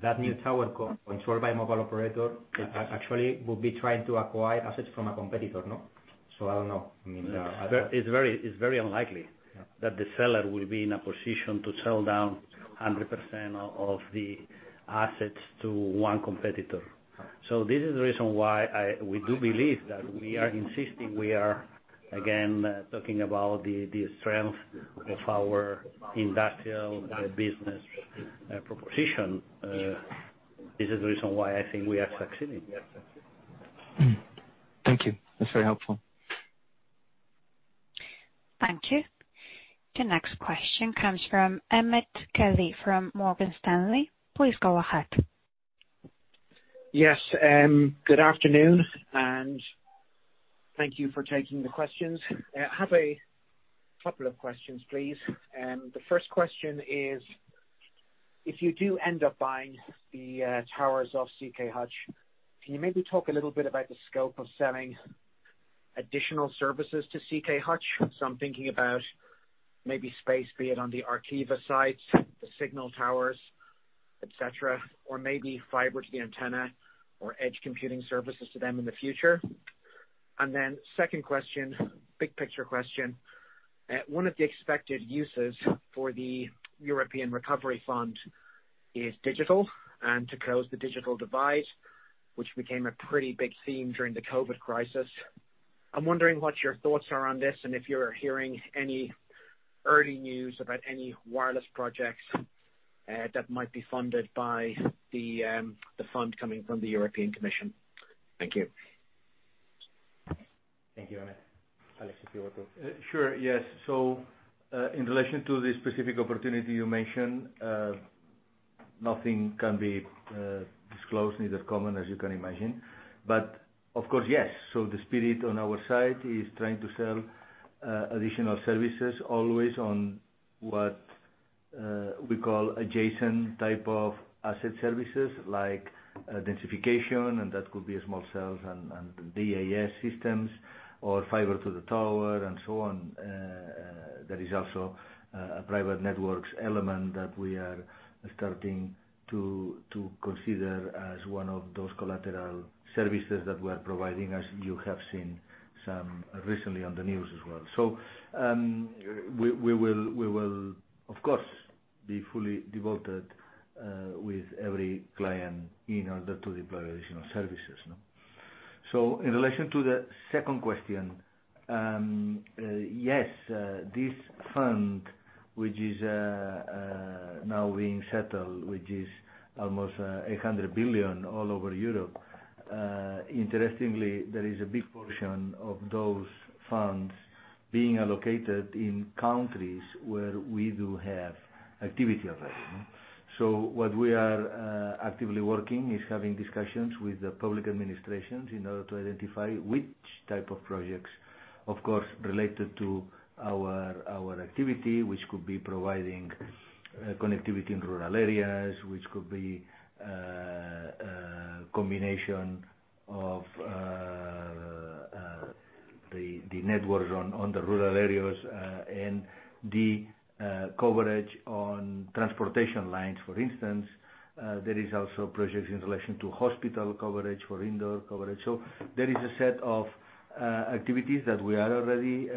That new towerco controlled by mobile operator actually would be trying to acquire assets from a competitor. I don't know. It's very unlikely that the seller will be in a position to sell down 100% of the assets to one competitor. So this is the reason why we do believe that we are insisting. We are, again, talking about the strength of our industrial business proposition. This is the reason why I think we are succeeding. Thank you. That's very helpful. Thank you. The next question comes from Emmet Kelly from Morgan Stanley. Please go ahead. Yes. Good afternoon, and thank you for taking the questions. Have a couple of questions, please. The first question is, if you do end up buying the towers of CK Hutch, can you maybe talk a little bit about the scope of selling additional services to CK Hutch? So I'm thinking about maybe space, be it on the Arqiva sites, the Cignal towers, etc., or maybe fiber to the antenna or edge computing services to them in the future. And then second question, big picture question. One of the expected uses for the European Recovery Fund is digital and to close the digital divide, which became a pretty big theme during the COVID crisis. I'm wondering what your thoughts are on this and if you're hearing any early news about any wireless projects that might be funded by the fund coming from the European Commission. Thank you. Thank you, Emmet. Alexis, you were good. Sure. Yes. So in relation to the specific opportunity you mentioned, nothing can be disclosed, neither comment, as you can imagine. But of course, yes. So the spirit on our side is trying to sell additional services, always on what we call adjacent type of asset services like densification, and that could be small cells and DAS systems or fiber to the tower and so on. There is also a private networks element that we are starting to consider as one of those collateral services that we are providing, as you have seen some recently on the news as well. So we will, of course, be fully devoted with every client in order to deploy additional services. So in relation to the second question, yes, this fund, which is now being settled, which is almost 800 billion all over Europe, interestingly, there is a big portion of those funds being allocated in countries where we do have activity already. So what we are actively working is having discussions with the public administrations in order to identify which type of projects, of course, related to our activity, which could be providing connectivity in rural areas, which could be a combination of the networks on the rural areas and the coverage on transportation lines, for instance. There is also projects in relation to hospital coverage for indoor coverage. So there is a set of activities that we are already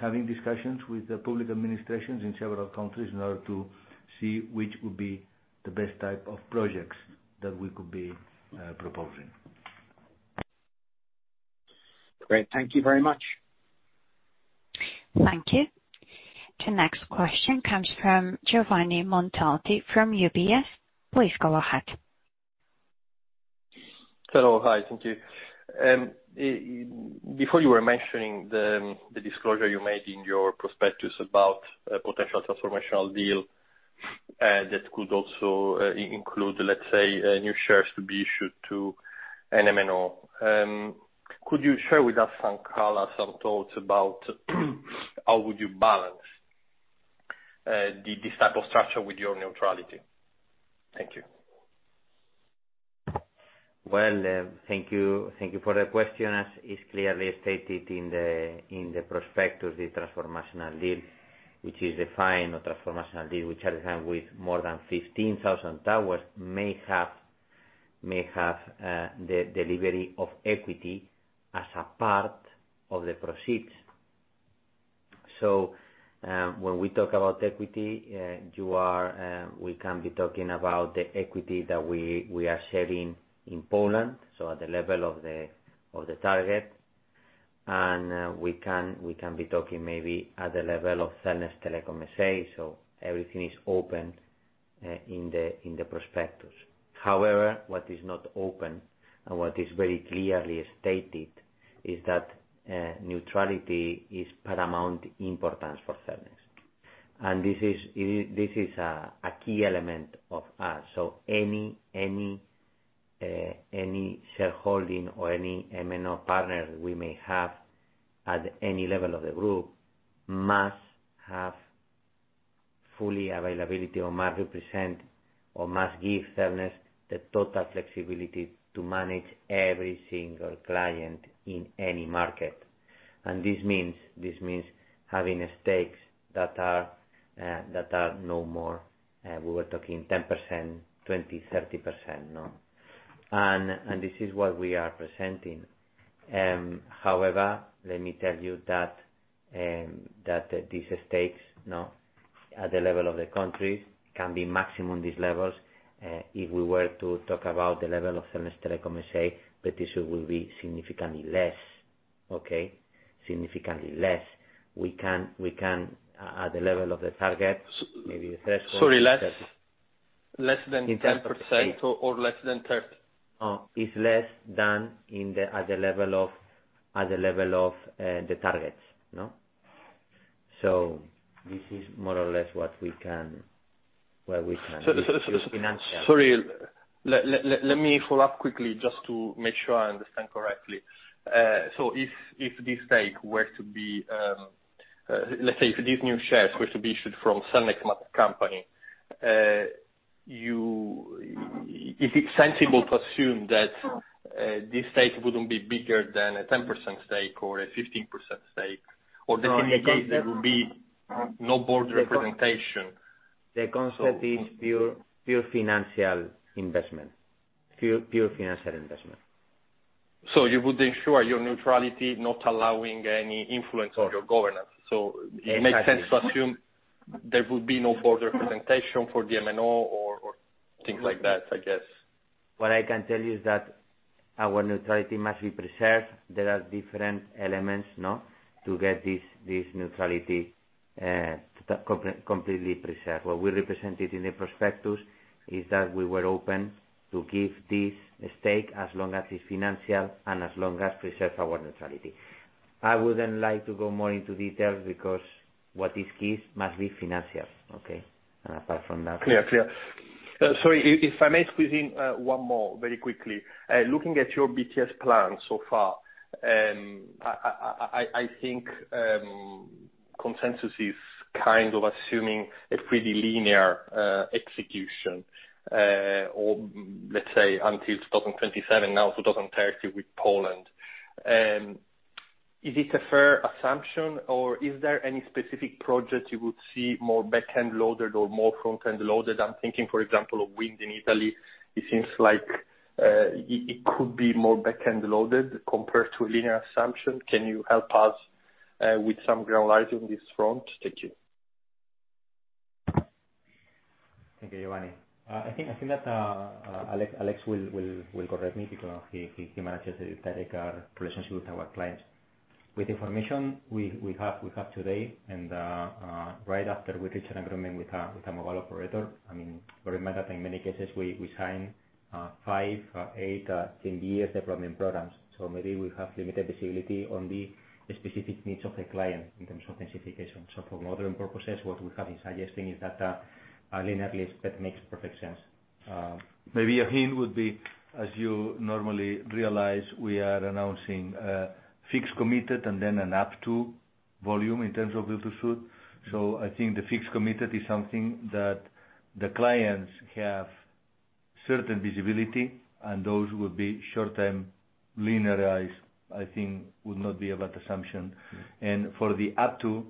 having discussions with the public administrations in several countries in order to see which would be the best type of projects that we could be proposing. Great. Thank you very much. Thank you. The next question comes from Giovanni Montalti from UBS. Please go ahead. Hello. Hi. Thank you. Before you were mentioning the disclosure you made in your prospectus about a potential transformational deal that could also include, let's say, new shares to be issued to an M&A, could you share with us, Juan Carlos, some thoughts about how would you balance this type of structure with your neutrality? Thank you. Thank you for the question. As is clearly stated in the prospectus, the transformational deal, which is defined with more than 15,000 towers, may have the delivery of equity as a part of the proceeds. So when we talk about equity, we can be talking about the equity that we are sharing in Poland, so at the level of the target. And we can be talking maybe at the level of Cellnex Telecom SA, so everything is open in the prospectus. However, what is not open and what is very clearly stated is that neutrality is of paramount importance for Cellnex. And this is a key element of us. So any shareholding or any M&A partner we may have at any level of the group must have full availability or must represent or must give Cellnex the total flexibility to manage every single client in any market. And this means having stakes that are no more. We were talking 10%, 20%, 30%. And this is what we are presenting. However, let me tell you that these stakes at the level of the countries can be maximum these levels. If we were to talk about the level of Cellnex Telecom SA, that is, it will be significantly less, okay? Significantly less. We can, at the level of the target, maybe the threshold. Sorry, less than 10% or less than 30%. No, it's less than at the level of the targets, so this is more or less what we can financially. Sorry, let me follow up quickly just to make sure I understand correctly. So if this stake were to be, let's say, if these new shares were to be issued from Cellnex company, is it sensible to assume that this stake wouldn't be bigger than a 10% stake or a 15% stake? Or that in the case, there would be no board representation? The concept is pure financial investment. Pure financial investment. So you would ensure your neutrality, not allowing any influence on your governance. So it makes sense to assume there would be no board representation for the M&A or things like that, I guess. What I can tell you is that our neutrality must be preserved. There are different elements to get this neutrality completely preserved. What we represented in the prospectus is that we were open to give this stake as long as it's financial and as long as preserves our neutrality. I wouldn't like to go more into detail because what is key must be financial, okay, and apart from that. Clear. Clear. Sorry, if I may squeeze in one more very quickly. Looking at your BTS plan so far, I think consensus is kind of assuming a pretty linear execution or, let's say, until 2027, now 2030 with Poland. Is it a fair assumption, or is there any specific project you would see more back-end loaded or more front-end loaded? I'm thinking, for example, of Wind in Italy. It seems like it could be more back-end loaded compared to a linear assumption. Can you help us with some guidelines on this front? Thank you. Thank you, Giovanni. I think that Alex will correct me because he manages a direct relationship with our clients. With the information we have today and right after we reach an agreement with a mobile operator, I mean, bear in mind that in many cases, we sign five or eight BTS development programs. So maybe we have limited visibility on the specific needs of the client in terms of densification. So for modeling purposes, what we have been suggesting is that a linearized that makes perfect sense. Maybe a hint would be, as you normally realize, we are announcing fixed committed and then an up to volume in terms of build-to-suit. So I think the fixed committed is something that the clients have certain visibility, and those would be short-term linearized. I think would not be a bad assumption. And for the up to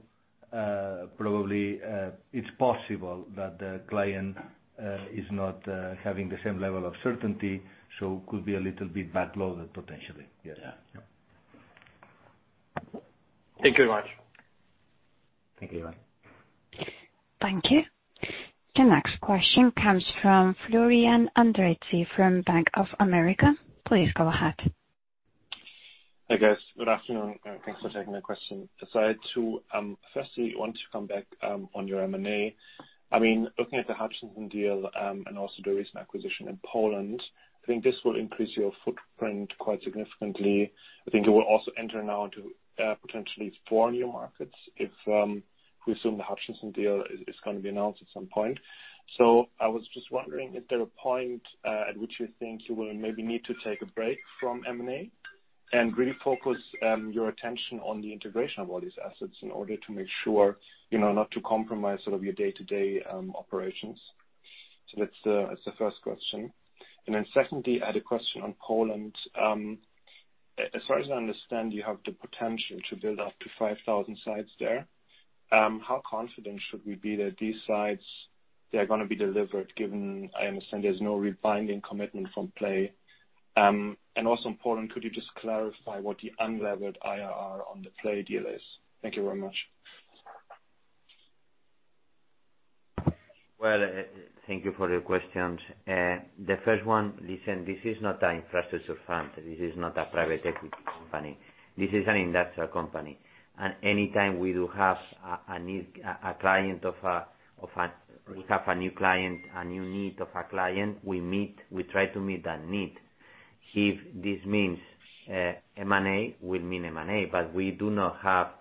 probably, it's possible that the client is not having the same level of certainty, so could be a little bit back-loaded potentially. Yes. Thank you very much. Thank you, Giovanni. Thank you. The next question comes from Florian Henritzi from Bank of America. Please go ahead. Hi, guys. Good afternoon. Thanks for taking the question. So I had two. Firstly, I want to come back on your M&A. I mean, looking at the Hutchison deal and also the recent acquisition in Poland, I think this will increase your footprint quite significantly. I think it will also enter now into potentially four new markets if we assume the Hutchison deal is going to be announced at some point. So I was just wondering, is there a point at which you think you will maybe need to take a break from M&A and really focus your attention on the integration of all these assets in order to make sure not to compromise sort of your day-to-day operations? So that's the first question. And then secondly, I had a question on Poland. As far as I understand, you have the potential to build up to 5,000 sites there. How confident should we be that these sites are going to be delivered, given I understand there's no binding commitment from Play? And also in Poland, could you just clarify what the unlevered IRR on the Play deal is? Thank you very much. Thank you for your questions. The first one, listen, this is not an infrastructure firm. This is not a private equity company. This is an industrial company. And anytime we do have a client or we have a new client, a new need of a client, we try to meet that need. If this means M&A, we'll do M&A, but we do not have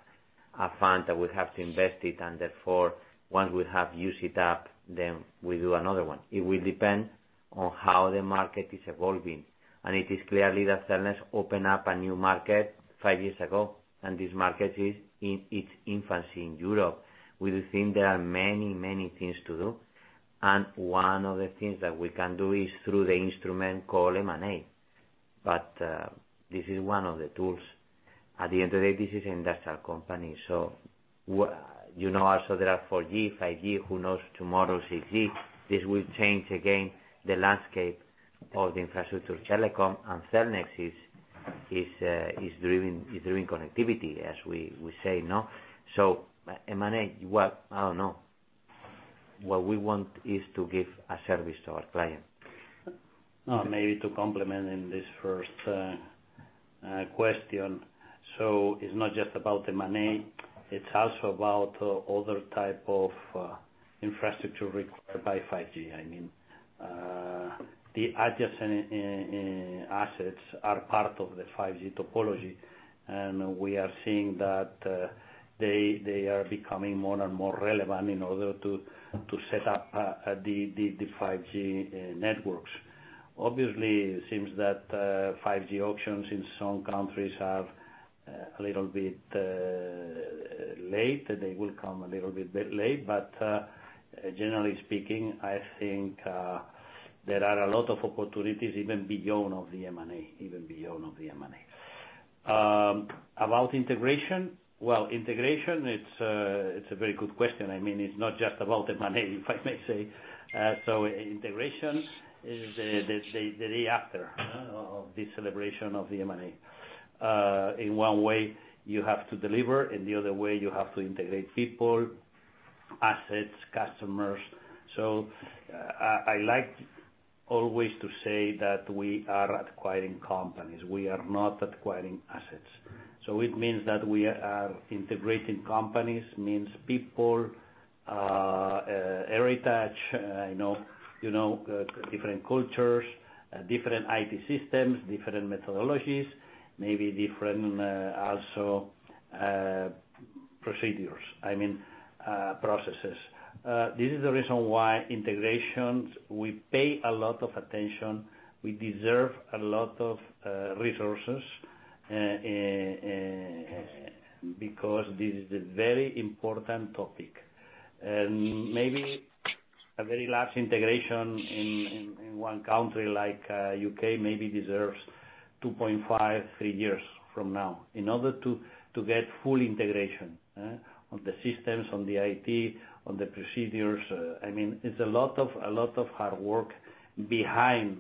a fund that we have to invest in, and therefore, once we have used it up, then we do another one. It will depend on how the market is evolving. And it is clear that Cellnex opened up a new market five years ago, and this market is in its infancy in Europe. We do think there are many, many things to do. And one of the things that we can do is through the instrument called M&A. But this is one of the tools. At the end of the day, this is an industrial company. So you know also there are 4G, 5G, who knows tomorrow 6G. This will change again the landscape of the infrastructure telecom, and Cellnex is driving connectivity, as we say. So M&A, I don't know. What we want is to give a service to our client. Maybe to complement in this first question, so it's not just about M&A. It's also about other types of infrastructure required by 5G. I mean, the adjacent assets are part of the 5G topology, and we are seeing that they are becoming more and more relevant in order to set up the 5G networks. Obviously, it seems that 5G auctions in some countries are a little bit late. They will come a little bit late. But generally speaking, I think there are a lot of opportunities even beyond the M&A, even beyond the M&A. About integration, well, integration, it's a very good question. I mean, it's not just about M&A, if I may say. So integration is the day after of the celebration of the M&A. In one way, you have to deliver, and the other way, you have to integrate people, assets, customers. So I like always to say that we are acquiring companies. We are not acquiring assets. So it means that we are integrating companies, means people, heritage, different cultures, different IT systems, different methodologies, maybe different also procedures, I mean, processes. This is the reason why, to integrations, we pay a lot of attention. We deserve a lot of resources because this is a very important topic. And maybe a very large integration in one country like the U.K. maybe deserves 2.5-3 years from now in order to get full integration on the systems, on the IT, on the procedures. I mean, it's a lot of hard work behind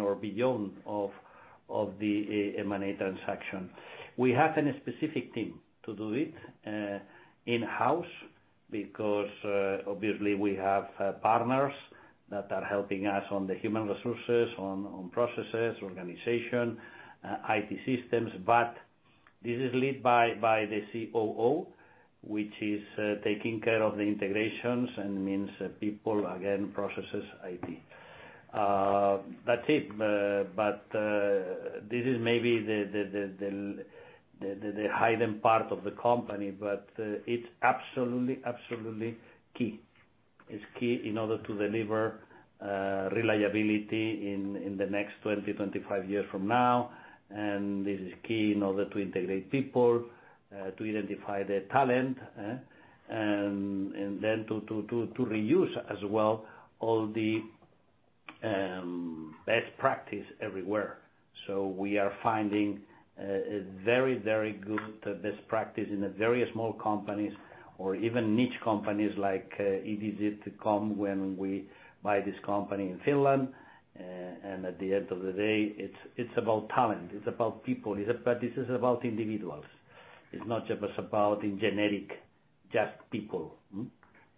or beyond the M&A transaction. We have a specific team to do it in-house because obviously, we have partners that are helping us on the human resources, on processes, organization, IT systems. But this is led by the COO, which is taking care of the integrations and means people, again, processes, IT. That's it. This is maybe the hidden part of the company, but it's absolutely, absolutely key. It's key in order to deliver reliability in the next 20, 25 years from now. This is key in order to integrate people, to identify the talent, and then to reuse as well all the best practice everywhere. We are finding very, very good best practice in very small companies or even niche companies like EDZCOM when we buy this company in Finland. At the end of the day, it's about talent. It's about people. This is about individuals. It's not just about generic, just people.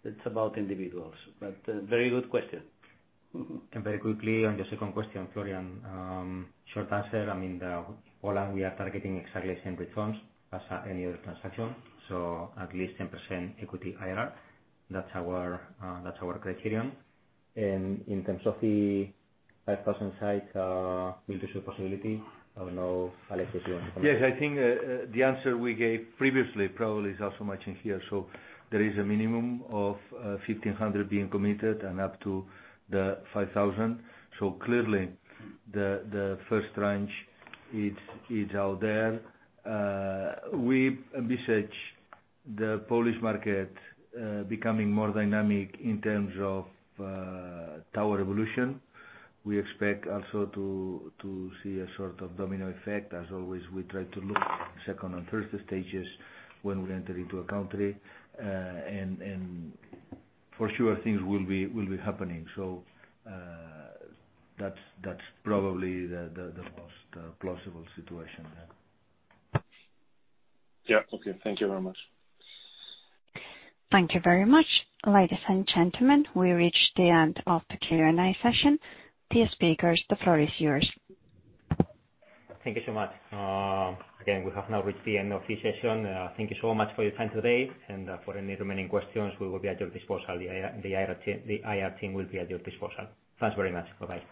It's about individuals. Very good question. And very quickly, on your second question, Florian, short answer. I mean, in Poland, we are targeting exactly the same returns as any other transaction. So at least 10% equity IRR. That's our criterion. And in terms of the 5,000-site build-to-share possibility, I don't know, Alex, if you want to comment. Yes, I think the answer we gave previously probably is also much in here. So there is a minimum of 1,500 being committed and up to the 5,000. So clearly, the first range is out there. We envisage the Polish market becoming more dynamic in terms of tower evolution. We expect also to see a sort of domino effect. As always, we try to look at second and third stages when we enter into a country. And for sure, things will be happening. So that's probably the most plausible situation. Yeah. Okay. Thank you very much. Thank you very much. Ladies and gentlemen, we reached the end of the Q&A session. Dear speakers, the floor is yours. Thank you so much. Again, we have now reached the end of this session. Thank you so much for your time today, and for any remaining questions, we will be at your disposal. The IR team will be at your disposal. Thanks very much. Bye-bye.